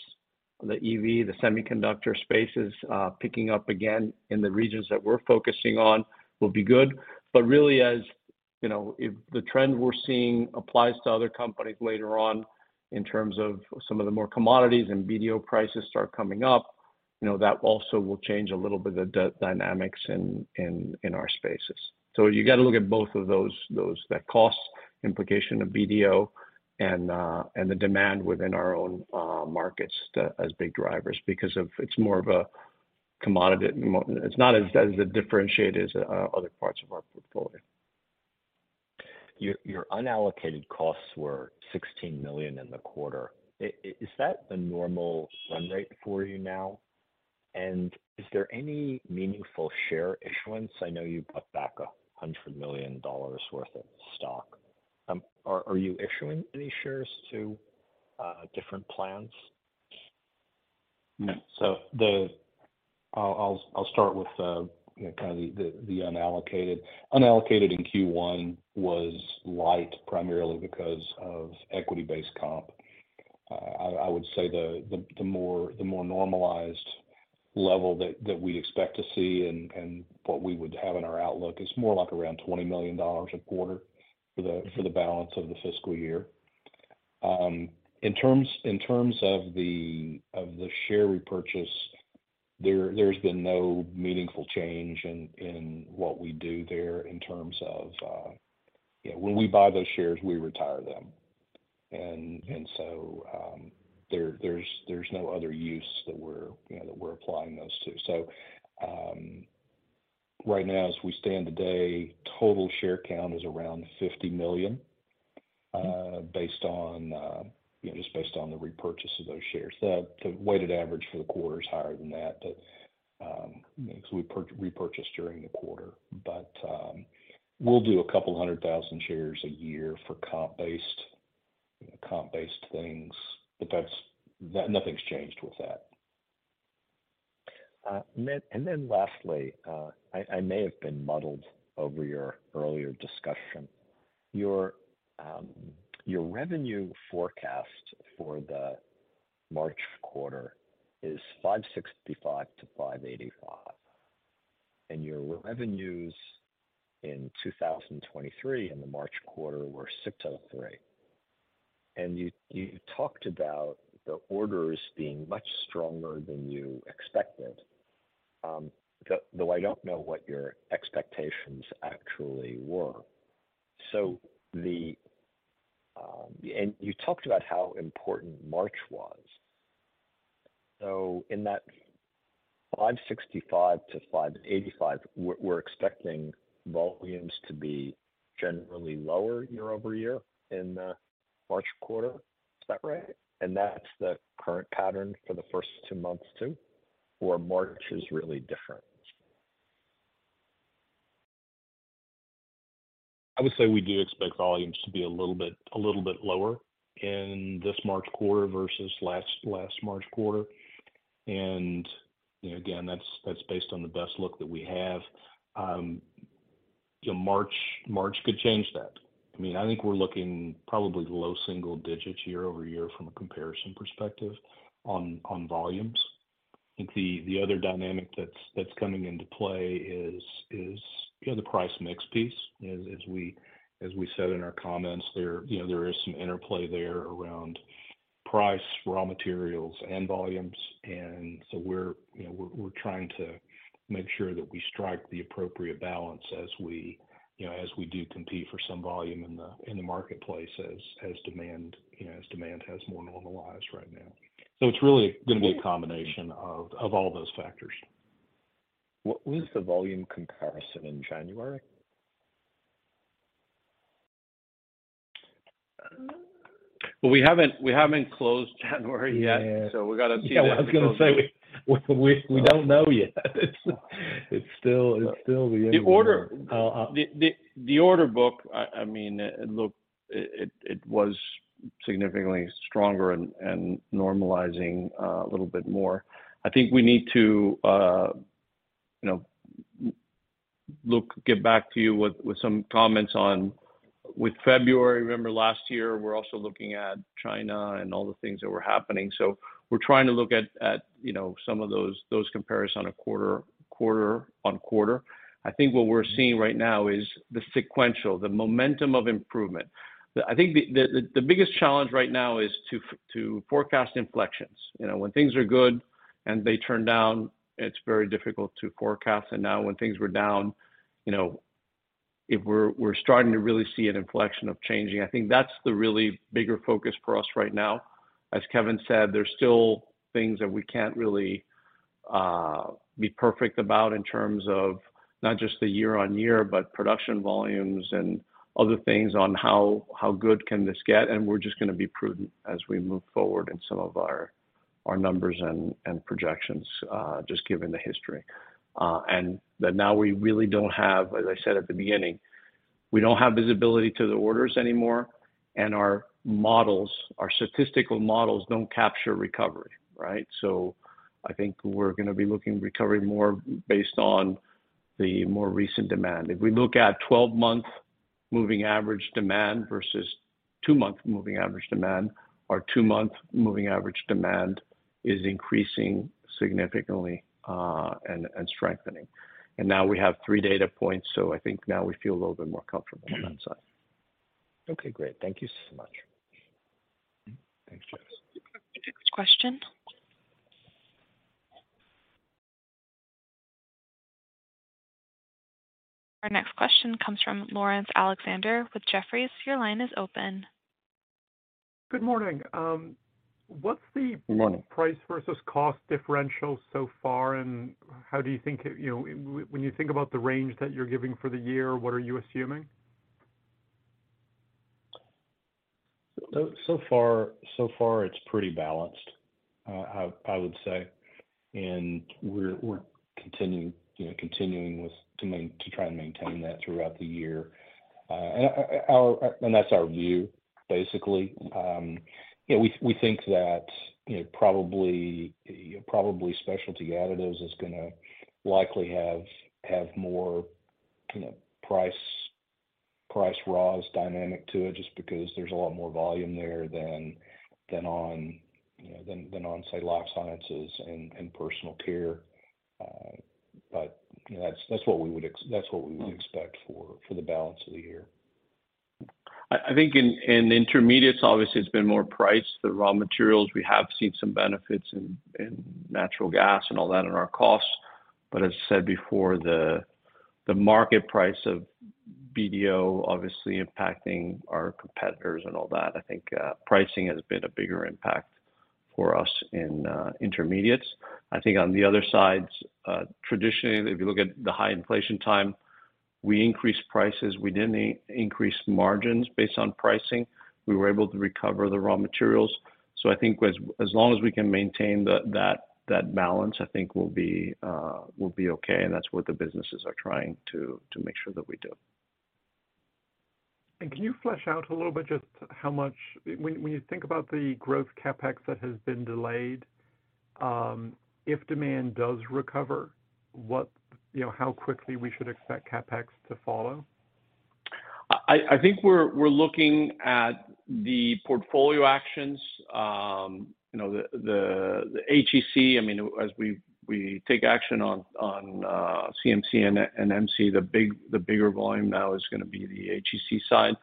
Speaker 3: the EV, the semiconductor space is picking up again in the regions that we're focusing on will be good. But really, as you know, if the trend we're seeing applies to other companies later on in terms of some of the more commodities and BDO prices start coming up, you know, that also will change a little bit of the dynamics in our spaces. So you got to look at both of those, the cost implication of BDO and the demand within our own markets as big drivers because it's more of a commodity—it's not as differentiated as other parts of our portfolio.
Speaker 9: Your unallocated costs were $16,000,000in the quarter. Is that a normal run rate for you now? And is there any meaningful share issuance? I know you bought back $100,000,000worth of stock. Are you issuing any shares to different plans?
Speaker 4: So I'll start with, you know, kind of the unallocated. Unallocated in Q1 was light, primarily because of equity-based comp. I would say the more normalized level that we'd expect to see and what we would have in our outlook is more like around $20,000,000a quarter for the balance of the fiscal year. In terms of the share repurchase, there's been no meaningful change in what we do there in terms of, yeah, when we buy those shares, we retire them. And so, there's no other use that we're, you know, applying those to. So, right now, as we stand today, total share count is around 50,000,000, based on, you know, just based on the repurchase of those shares. The weighted average for the quarter is higher than that, but, because we repurchased during the quarter. But, we'll do a couple hundred thousand shares a year for comp-based things, but that's nothing's changed with that.
Speaker 9: And then lastly, I may have been muddled over your earlier discussion. Your revenue forecast for the March quarter is $565-$585, and your revenues in 2023 in the March quarter were $603. And you talked about the orders being much stronger than you expected, though I don't know what your expectations actually were. And you talked about how important March was. So in that $565-$585, we're expecting volumes to be generally lower year-over-year in the March quarter. Is that right? And that's the current pattern for the first two months, too, or March is really different?
Speaker 4: I would say we do expect volumes to be a little bit, a little bit lower in this March quarter versus last, last March quarter. You know, again, that's based on the best look that we have. Um, you know, March could change that. I mean, I think we're looking probably low single digits year over year from a comparison perspective on volumes. I think the other dynamic that's coming into play is, you know, the price mix piece. As we said in our comments, there, you know, there is some interplay there around price, raw materials, and volumes. So we're, you know, trying to make sure that we strike the appropriate balance as we, you know, do compete for some volume in the marketplace as demand, you know, has more normalized right now. So it's really going to be a combination of all those factors.
Speaker 9: What was the volume comparison in January?
Speaker 3: Well, we haven't closed January yet-
Speaker 9: Yeah.
Speaker 3: We've got to see that.
Speaker 9: Yeah, I was going to say, we don't know yet. It's still the end of the year.
Speaker 3: The order-
Speaker 9: Uh, uh-
Speaker 3: The order book, I mean, it looked it, it was significantly stronger and normalizing a little bit more. I think we need to, you know, get back to you with some comments on February. Remember last year, we're also looking at China and all the things that were happening. So we're trying to look at, you know, some of those, those comparison on a quarter-on-quarter. I think what we're seeing right now is the sequential, the momentum of improvement. I think the biggest challenge right now is to forecast inflections. You know, when things are good and they turn down, it's very difficult to forecast. And now when things were down, you know, if we're starting to really see an inflection of changing, I think that's the really bigger focus for us right now. As Kevin said, there's still things that we can't really be perfect about in terms of not just the year-on-year, but production volumes and other things on how good can this get, and we're just going to be prudent as we move forward in some of our numbers and projections just given the history. And that now we really don't have, as I said at the beginning, we don't have visibility to the orders anymore, and our models, our statistical models don't capture recovery, right? So I think we're going to be looking at recovery more based on the more recent demand. If we look at 12-month moving average demand versus 2-month moving average demand, our 2-month moving average demand is increasing significantly, and strengthening. And now we have three data points, so I think now we feel a little bit more comfortable on that side.
Speaker 9: Okay, great. Thank you so much.
Speaker 4: Thanks, Jeff.
Speaker 1: Next question? Our next question comes from Lawrence Alexander with Jefferies. Your line is open.
Speaker 10: Good morning.
Speaker 4: Good morning...
Speaker 10: price versus cost differential so far, and how do you think, you know, when you think about the range that you're giving for the year, what are you assuming?
Speaker 4: So far, it's pretty balanced, I would say. And we're continuing, you know, to try and maintain that throughout the year. And that's our view, basically. Yeah, we think that, you know, probably Specialty Additives is gonna likely have more, you know, price raws dynamic to it, just because there's a lot more volume there than, you know, on, say, Life Sciences and Personal Care. But, you know, that's what we would expect for the balance of the year.
Speaker 3: I think in intermediates, obviously, it's been more price. The raw materials, we have seen some benefits in natural gas and all that in our costs. But as I said before, the market price of BDO obviously impacting our competitors and all that. I think pricing has been a bigger impact for us in intermediates. I think on the other sides, traditionally, if you look at the high inflation time, we increased prices. We didn't increase margins based on pricing. We were able to recover the raw materials. So I think as long as we can maintain that balance, I think we'll be okay, and that's what the businesses are trying to make sure that we do.
Speaker 10: Can you flesh out a little bit just how much—when you think about the growth CapEx that has been delayed, if demand does recover, what... You know, how quickly we should expect CapEx to follow?
Speaker 3: I think we're looking at the portfolio actions, you know, the HEC. I mean, as we take action on CMC and MC, the bigger volume now is gonna be the HEC side.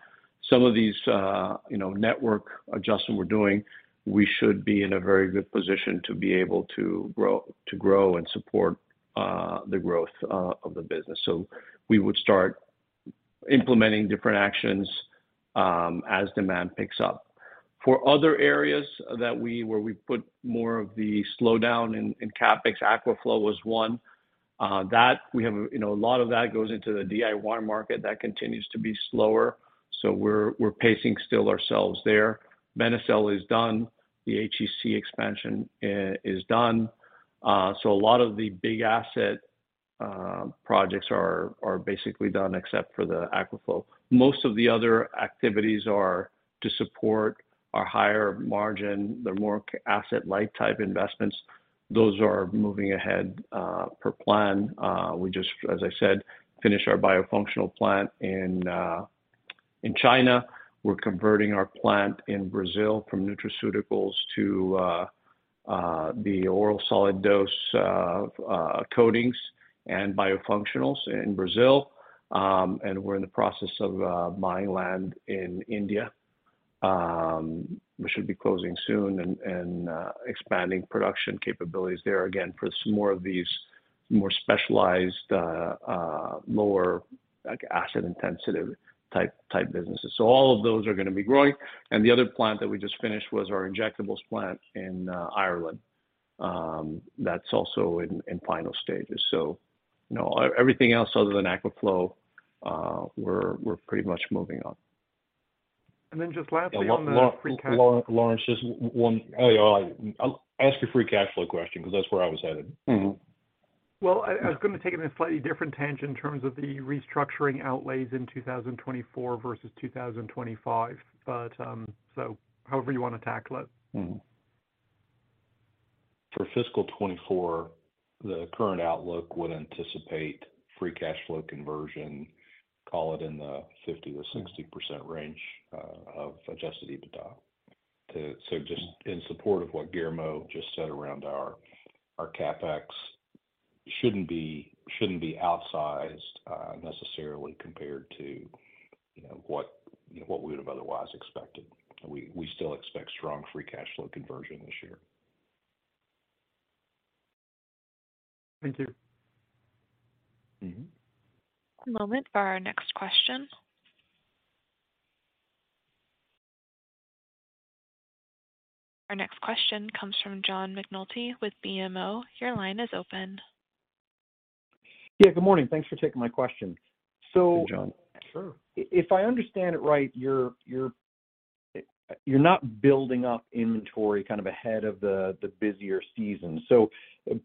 Speaker 3: Some of these, you know, network adjustment we're doing, we should be in a very good position to be able to grow, to grow and support the growth of the business. So we would start implementing different actions as demand picks up. For other areas that we, where we put more of the slowdown in CapEx, Aquaflow was one that we have, you know, a lot of that goes into the DIY market. That continues to be slower, so we're pacing still ourselves there. Benecel is done. The HEC expansion is done. So a lot of the big asset projects are basically done except for the Aquaflow. Most of the other activities are to support our higher margin. They're more asset-like type investments. Those are moving ahead per plan. We just, as I said, finished our biofunctional plant in China. We're converting our plant in Brazil from nutraceuticals to the oral solid dose coatings and biofunctionals in Brazil. And we're in the process of buying land in India. We should be closing soon and expanding production capabilities there, again, for some more of these more specialized, more like asset-intensive type businesses. So all of those are gonna be growing. And the other plant that we just finished was our injectables plant in Ireland. That's also in final stages. So, you know, everything else other than Aquaflow, we're pretty much moving on.
Speaker 10: And then just lastly, on the free cash-
Speaker 4: Lawrence, just one... I'll ask a free cash flow question, because that's where I was headed.
Speaker 3: Mm-hmm.
Speaker 10: Well, I was gonna take it in a slightly different tangent in terms of the restructuring outlays in 2024 versus 2025. But, so however you wanna tackle it.
Speaker 4: Mm-hmm. For fiscal 2024, the current outlook would anticipate free cash flow conversion, call it in the 50%-60% range, of Adjusted EBITDA. To— So just in support of what Guillermo just said around our, our CapEx, shouldn't be, shouldn't be outsized, necessarily compared to, you know, what, you know, what we would have otherwise expected. We, we still expect strong free cash flow conversion this year.
Speaker 10: Thank you.
Speaker 4: Mm-hmm.
Speaker 1: One moment for our next question. Our next question comes from John McNulty with BMO. Your line is open.
Speaker 7: Yeah, good morning. Thanks for taking my question.
Speaker 4: Hey, John.
Speaker 3: Sure.
Speaker 7: If I understand it right, you're not building up inventory kind of ahead of the busier season. So,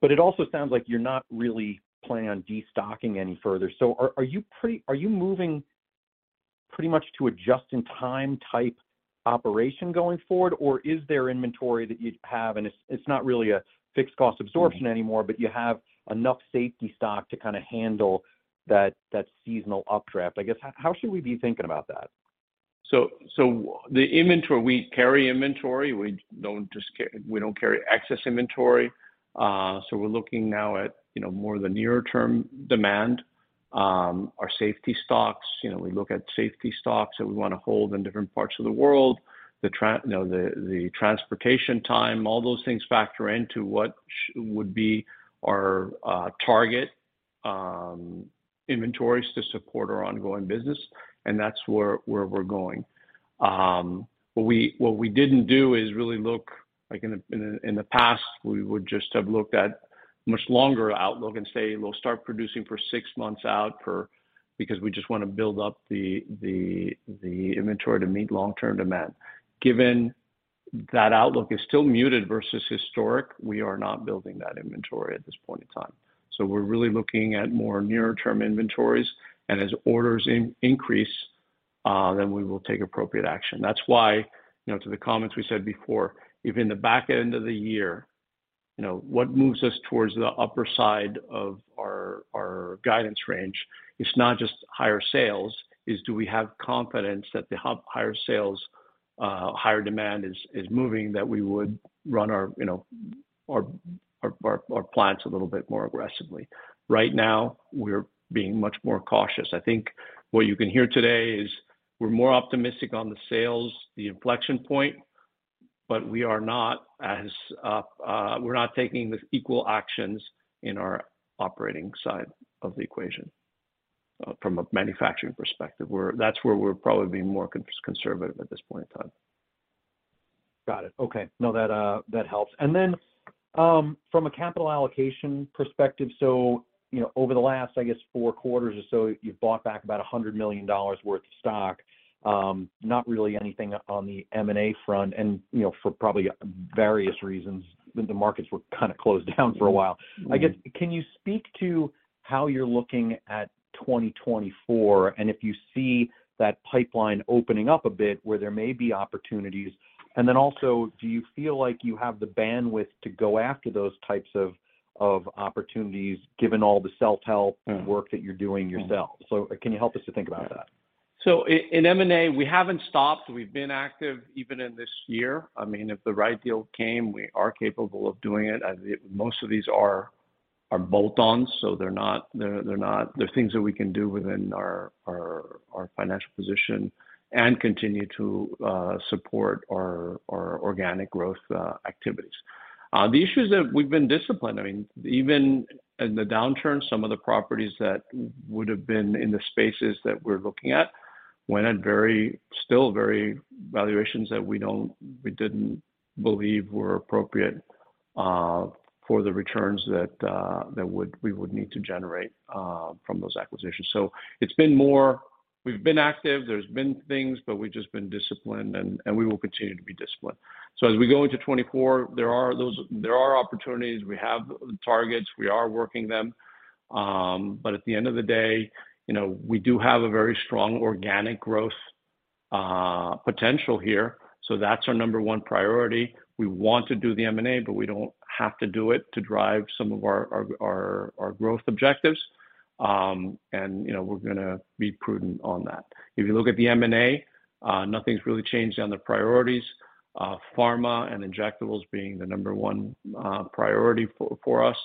Speaker 7: but it also sounds like you're not really planning on destocking any further. So are you moving pretty much to a just-in-time type operation going forward, or is there inventory that you have, and it's not really a fixed cost absorption anymore, but you have enough safety stock to kinda handle that seasonal updraft? I guess, how should we be thinking about that?
Speaker 3: So, the inventory, we carry inventory. We don't just carry excess inventory. So we're looking now at, you know, more of the nearer term demand. Our safety stocks, you know, we look at safety stocks that we wanna hold in different parts of the world. You know, the transportation time, all those things factor into what would be our target inventories to support our ongoing business, and that's where we're going. What we didn't do is really look... Like, in the past, we would just have looked at much longer outlook and say, "We'll start producing for six months out, because we just wanna build up the inventory to meet long-term demand." Given that outlook is still muted versus historic, we are not building that inventory at this point in time. So we're really looking at more near-term inventories, and as orders increase, then we will take appropriate action. That's why, you know, to the comments we said before, even the back end of the year, you know, what moves us towards the upper side of our guidance range? It's not just higher sales, it's do we have confidence that higher sales, higher demand is moving, that we would run our, you know, our plants a little bit more aggressively. Right now, we're being much more cautious. I think what you can hear today is we're more optimistic on the sales, the inflection point, but we are not as, we're not taking the equal actions in our operating side of the equation, from a manufacturing perspective. That's where we're probably being more conservative at this point in time.
Speaker 7: Got it. Okay. No, that helps. And then, from a capital allocation perspective, so, you know, over the last, I guess, four quarters or so, you've bought back about $100,000,000worth of stock. Not really anything on the M&A front, and, you know, for probably various reasons, the markets were kind of closed down for a while. I guess, can you speak to how you're looking at 2024, and if you see that pipeline opening up a bit where there may be opportunities? And then also, do you feel like you have the bandwidth to go after those types of opportunities, given all the self-help-
Speaker 3: Mm-hmm
Speaker 7: -work that you're doing yourself?
Speaker 3: Mm-hmm.
Speaker 7: Can you help us to think about that?
Speaker 3: So in M&A, we haven't stopped. We've been active even in this year. I mean, if the right deal came, we are capable of doing it, as most of these are bolt-ons, so they're not, they're things that we can do within our financial position and continue to support our organic growth activities. We've been disciplined, I mean, even in the downturn, some of the properties that would've been in the spaces that we're looking at went at very, still very valuations that we didn't believe were appropriate for the returns that we would need to generate from those acquisitions. So it's been more... We've been active, there's been things, but we've just been disciplined, and we will continue to be disciplined. So as we go into 2024, there are opportunities. We have targets. We are working them. But at the end of the day, you know, we do have a very strong organic growth potential here, so that's our number one priority. We want to do the M&A, but we don't have to do it to drive some of our growth objectives. And, you know, we're gonna be prudent on that. If you look at the M&A, nothing's really changed on the priorities, pharma and injectables being the number one priority for us.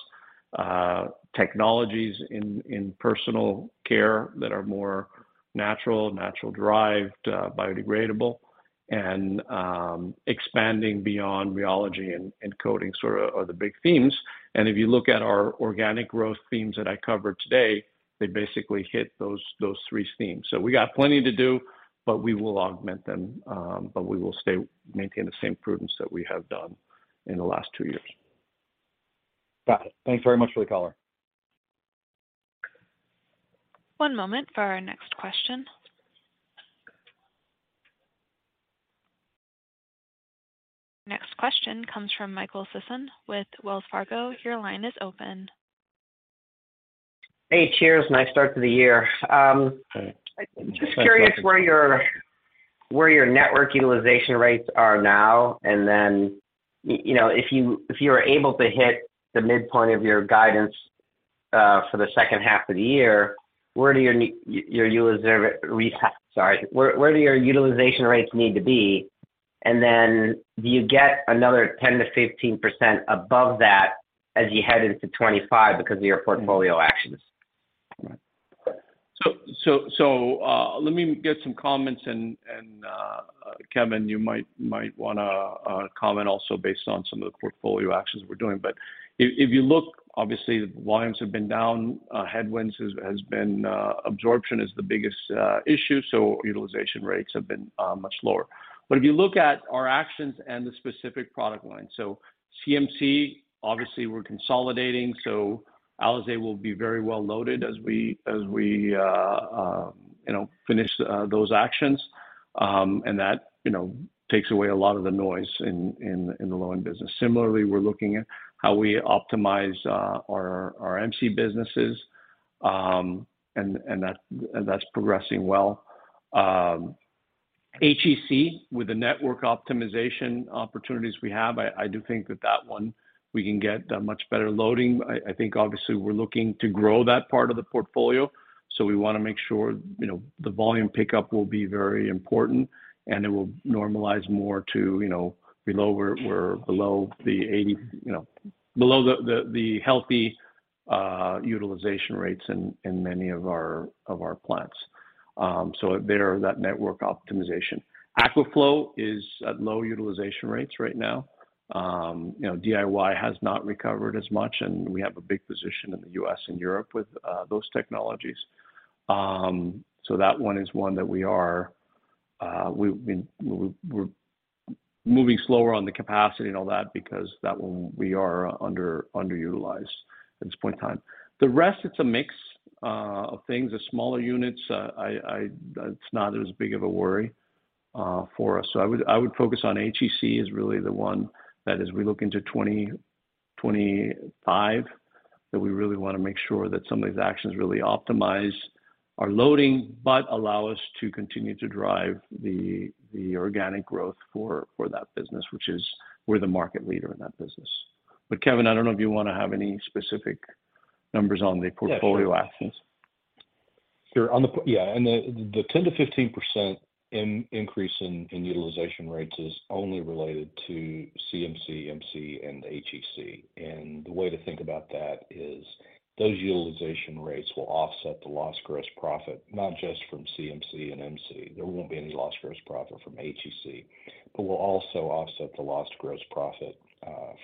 Speaker 3: Technologies in personal care that are more natural, natural derived, biodegradable, and expanding beyond rheology and coatings sort of are the big themes. If you look at our organic growth themes that I covered today, they basically hit those three themes. So we got plenty to do, but we will augment them, but we will stay, maintain the same prudence that we have done in the last two years.
Speaker 7: Got it. Thanks very much for the call.
Speaker 1: One moment for our next question. Next question comes from Michael Sison with Wells Fargo. Your line is open.
Speaker 11: Hey, cheers. Nice start to the year.
Speaker 3: Thanks.
Speaker 11: Just curious where your network utilization rates are now, and then, you know, if you are able to hit the midpoint of your guidance for the second half of the year, where do your utilization rates need to be? And then do you get another 10%-15% above that as you head into 2025 because of your portfolio actions?
Speaker 3: So, let me get some comments, and Kevin, you might wanna comment also based on some of the portfolio actions we're doing. But if you look, obviously, volumes have been down, headwinds has been, absorption is the biggest issue, so utilization rates have been much lower. But if you look at our actions and the specific product lines, so CMC, obviously, we're consolidating, so Alizay will be very well loaded as we, you know, finish those actions. And that, you know, takes away a lot of the noise in the low-end business. Similarly, we're looking at how we optimize our MC businesses, and that's progressing well. HEC, with the network optimization opportunities we have, I, I do think that that one we can get a much better loading. I, I think, obviously, we're looking to grow that part of the portfolio, so we wanna make sure, you know, the volume pickup will be very important, and it will normalize more to, you know, below where we're below the 80-- you know, below the, the, the healthy utilization rates in, in many of our, of our plants. So there, that network optimization. Aquaflow is at low utilization rates right now. You know, DIY has not recovered as much, and we have a big position in the US and Europe with those technologies. So that one is one that we are... We're moving slower on the capacity and all that because that one, we are underutilized at this point in time. The rest, it's a mix of things. The smaller units, it's not as big of a worry for us. So I would focus on HEC, is really the one that as we look into 2025 that we really want to make sure that some of these actions really optimize our loading, but allow us to continue to drive the organic growth for that business, which is we're the market leader in that business. But Kevin, I don't know if you want to have any specific numbers on the portfolio actions?
Speaker 4: Sure. Yeah, and the 10%-15% increase in utilization rates is only related to CMC, MC, and HEC. And the way to think about that is those utilization rates will offset the lost gross profit, not just from CMC and MC. There won't be any lost gross profit from HEC, but will also offset the lost gross profit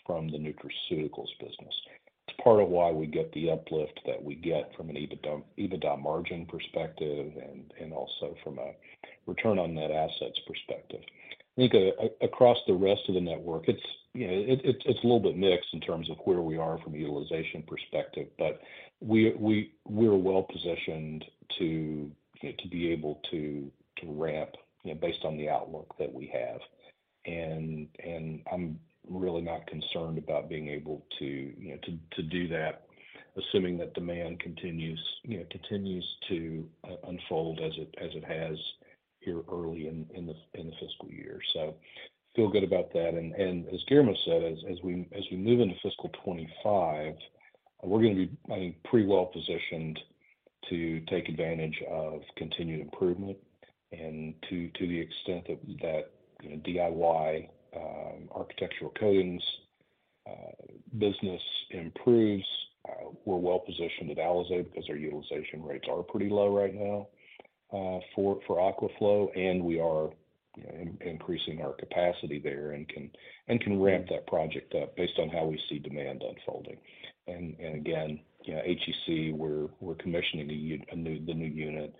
Speaker 4: from the nutraceuticals business. It's part of why we get the uplift that we get from an EBITDA, EBITDA margin perspective and also from a return on net assets perspective. I think, across the rest of the network, it's, you know, it, it's a little bit mixed in terms of where we are from a utilization perspective, but we, we're well positioned to, you know, to be able to ramp, you know, based on the outlook that we have. I'm really not concerned about being able to, you know, to do that, assuming that demand continues, you know, to unfold as it has here early in the fiscal year. So feel good about that. As Guillermo said, as we move into fiscal 2025, we're gonna be, I think, pretty well positioned to take advantage of continued improvement. To the extent that, you know, DIY architectural coatings business improves, we're well positioned at Alizay because our utilization rates are pretty low right now, for Aquaflow, and we are increasing our capacity there and can ramp that project up based on how we see demand unfolding. And again, you know, HEC, we're commissioning a new unit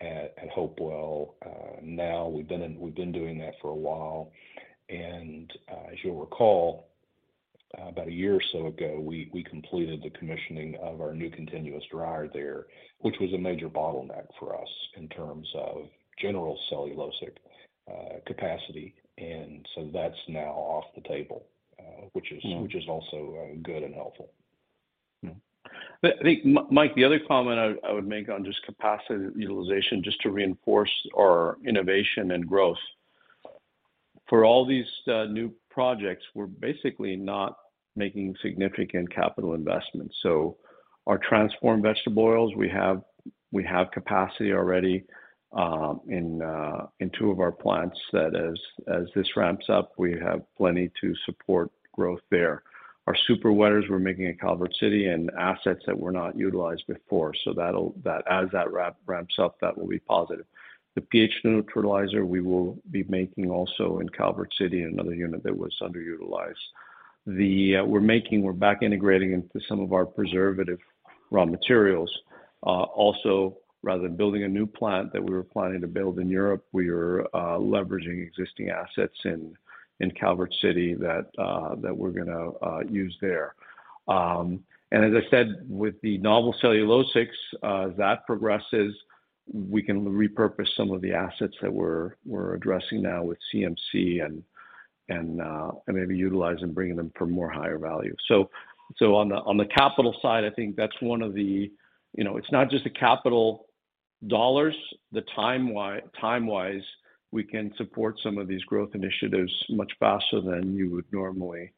Speaker 4: at Hopewell. Now we've been doing that for a while. And, as you'll recall, about a year or so ago, we completed the commissioning of our new continuous dryer there, which was a major bottleneck for us in terms of general cellulosic capacity. And so that's now off the table, which is-
Speaker 3: Mm-hmm...
Speaker 4: which is also good and helpful.
Speaker 3: Mm-hmm. But I think Mike, the other comment I would make on just capacity utilization, just to reinforce our innovation and growth. For all these new projects, we're basically not making significant capital investments. So our transformed vegetable oils, we have capacity already in two of our plants that as this ramps up, we have plenty to support growth there. Our super wetters, we're making at Calvert City and assets that were not utilized before, so that'll, that as that ramps up, that will be positive. The pH neutralizer, we will be making also in Calvert City, in another unit that was underutilized. The, we're making, we're back integrating into some of our preservative raw materials. Also, rather than building a new plant that we were planning to build in Europe, we are leveraging existing assets in Calvert City that we're gonna use there. And as I said, with the novel cellulosics that progresses, we can repurpose some of the assets that we're addressing now with CMC and maybe utilize and bringing them for more higher value. So on the capital side, I think that's one of the... You know, it's not just the capital dollars, time-wise, we can support some of these growth initiatives much faster than you would normally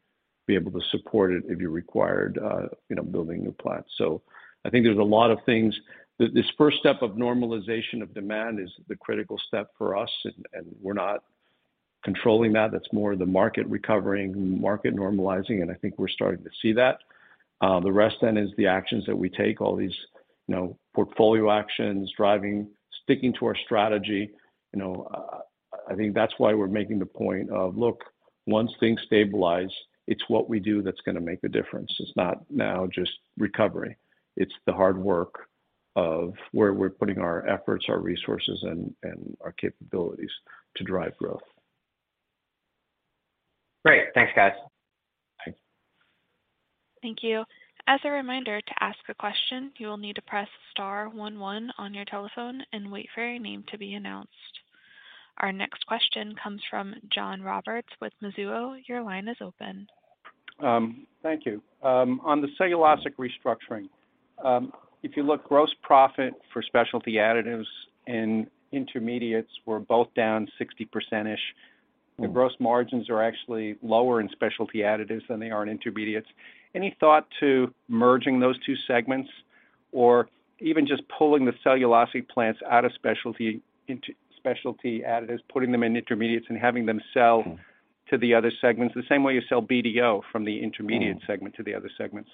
Speaker 3: be able to support it if you required, you know, building new plants. So I think there's a lot of things. This first step of normalization of demand is the critical step for us, and, and we're not controlling that. That's more the market recovering, market normalizing, and I think we're starting to see that. The rest then is the actions that we take, all these, you know, portfolio actions, driving, sticking to our strategy. You know, I think that's why we're making the point of, look, once things stabilize, it's what we do that's gonna make the difference. It's not now just recovery, it's the hard work of where we're putting our efforts, our resources, and, and our capabilities to drive growth.
Speaker 11: Great. Thanks, guys.
Speaker 3: Thanks.
Speaker 1: Thank you. As a reminder, to ask a question, you will need to press star one one on your telephone and wait for your name to be announced. Our next question comes from John Roberts with Mizuho. Your line is open.
Speaker 12: Thank you. On the cellulosic restructuring, if you look gross profit for Specialty Additives and Intermediates were both down 60%-ish.
Speaker 3: Mm-hmm.
Speaker 12: The gross margins are actually lower in Specialty Additives than they are in Intermediates. Any thought to merging those two segments, or even just pulling the cellulosic plants out of Specialty Additives, putting them in Intermediates, and having them sell-
Speaker 3: Mm-hmm...
Speaker 12: to the other segments, the same way you sell BDO from the Intermediates segment.
Speaker 3: Mm-hmm...
Speaker 12: to the other segments?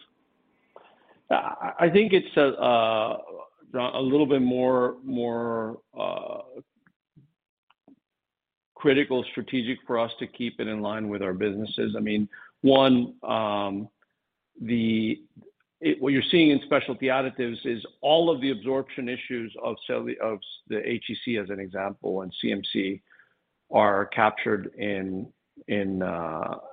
Speaker 3: I think it's a little bit more critical strategic for us to keep it in line with our businesses. I mean, one, what you're seeing in Specialty Additives is all of the absorption issues of the HEC, as an example, and CMC, are captured in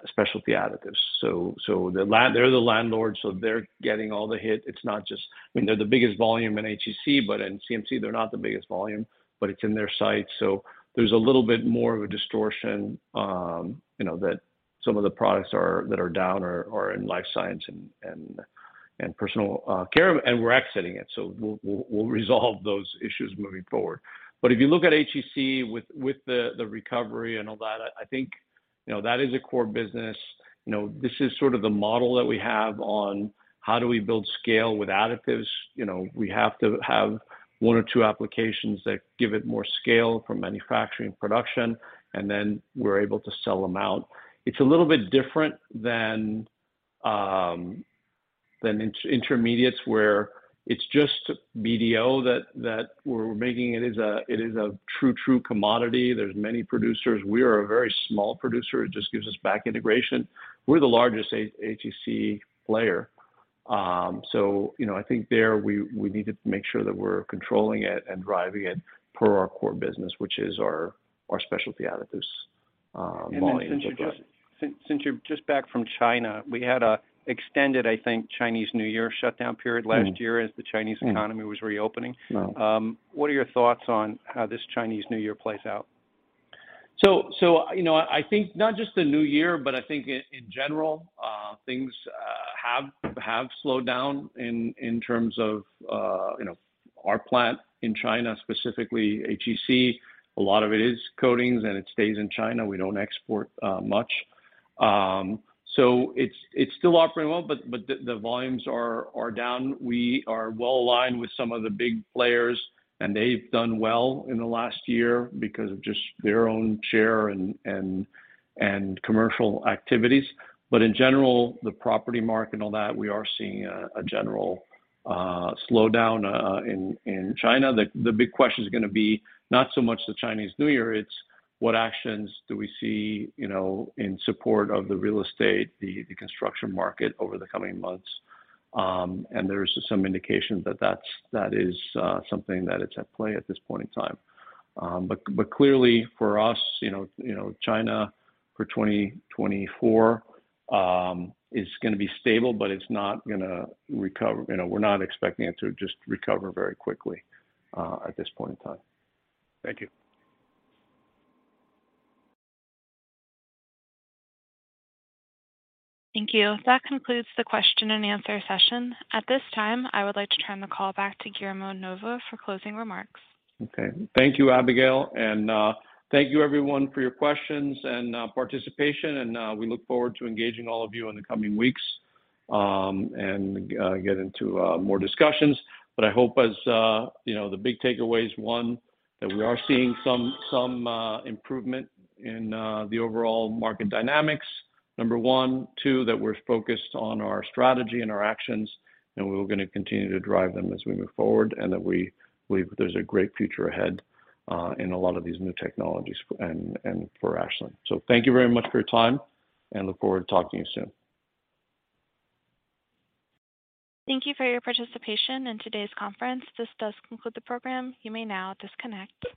Speaker 3: Specialty Additives. So the landlord, they're getting all the hit. It's not just... I mean, they're the biggest volume in HEC, but in CMC, they're not the biggest volume, but it's in their site. So there's a little bit more of a distortion, you know, that some of the products are that are down or are in Life Sciences and Personal Care, and we're exiting it, so we'll resolve those issues moving forward. But if you look at HEC with the recovery and all that, I think, you know, that is a core business. You know, this is sort of the model that we have on how do we build scale with additives. You know, we have to have one or two applications that give it more scale for manufacturing production, and then we're able to sell them out. It's a little bit different than Intermediates, where it's just BDO that we're making. It is a true commodity. There's many producers. We are a very small producer. It just gives us back integration. We're the largest HEC player. So, you know, I think there we need to make sure that we're controlling it and driving it per our core business, which is our Specialty Additives volume.
Speaker 12: Since you're just back from China, we had an extended, I think, Chinese New Year shutdown period last year-
Speaker 3: Mm-hmm.
Speaker 12: as the Chinese economy
Speaker 3: Mm.
Speaker 12: -was reopening.
Speaker 3: Right.
Speaker 12: What are your thoughts on how this Chinese New Year plays out?
Speaker 3: You know, I think not just the new year, but I think in general, things have slowed down in terms of, you know, our plant in China, specifically HEC. A lot of it is coatings, and it stays in China. We don't export much. It's still operating well, but the volumes are down. We are well aligned with some of the big players, and they've done well in the last year because of just their own share and commercial activities. But in general, the property market and all that, we are seeing a general slowdown in China. The big question is gonna be not so much the Chinese New Year, it's what actions do we see, you know, in support of the real estate, the construction market over the coming months? And there's some indication that that's, that is, something that is at play at this point in time. But clearly for us, you know, China for 2024 is gonna be stable, but it's not gonna recover. You know, we're not expecting it to just recover very quickly at this point in time.
Speaker 12: Thank you.
Speaker 1: Thank you. That concludes the question and answer session. At this time, I would like to turn the call back to Guillermo Novo for closing remarks.
Speaker 3: Okay. Thank you, Abigail, and thank you everyone for your questions and participation, and we look forward to engaging all of you in the coming weeks, and get into more discussions. But I hope as you know, the big takeaway is, one, that we are seeing some improvement in the overall market dynamics, number one. Two, that we're focused on our strategy and our actions, and we're gonna continue to drive them as we move forward, and that we believe there's a great future ahead in a lot of these new technologies and for Ashland. So thank you very much for your time, and look forward to talking to you soon.
Speaker 1: Thank you for your participation in today's conference. This does conclude the program. You may now disconnect.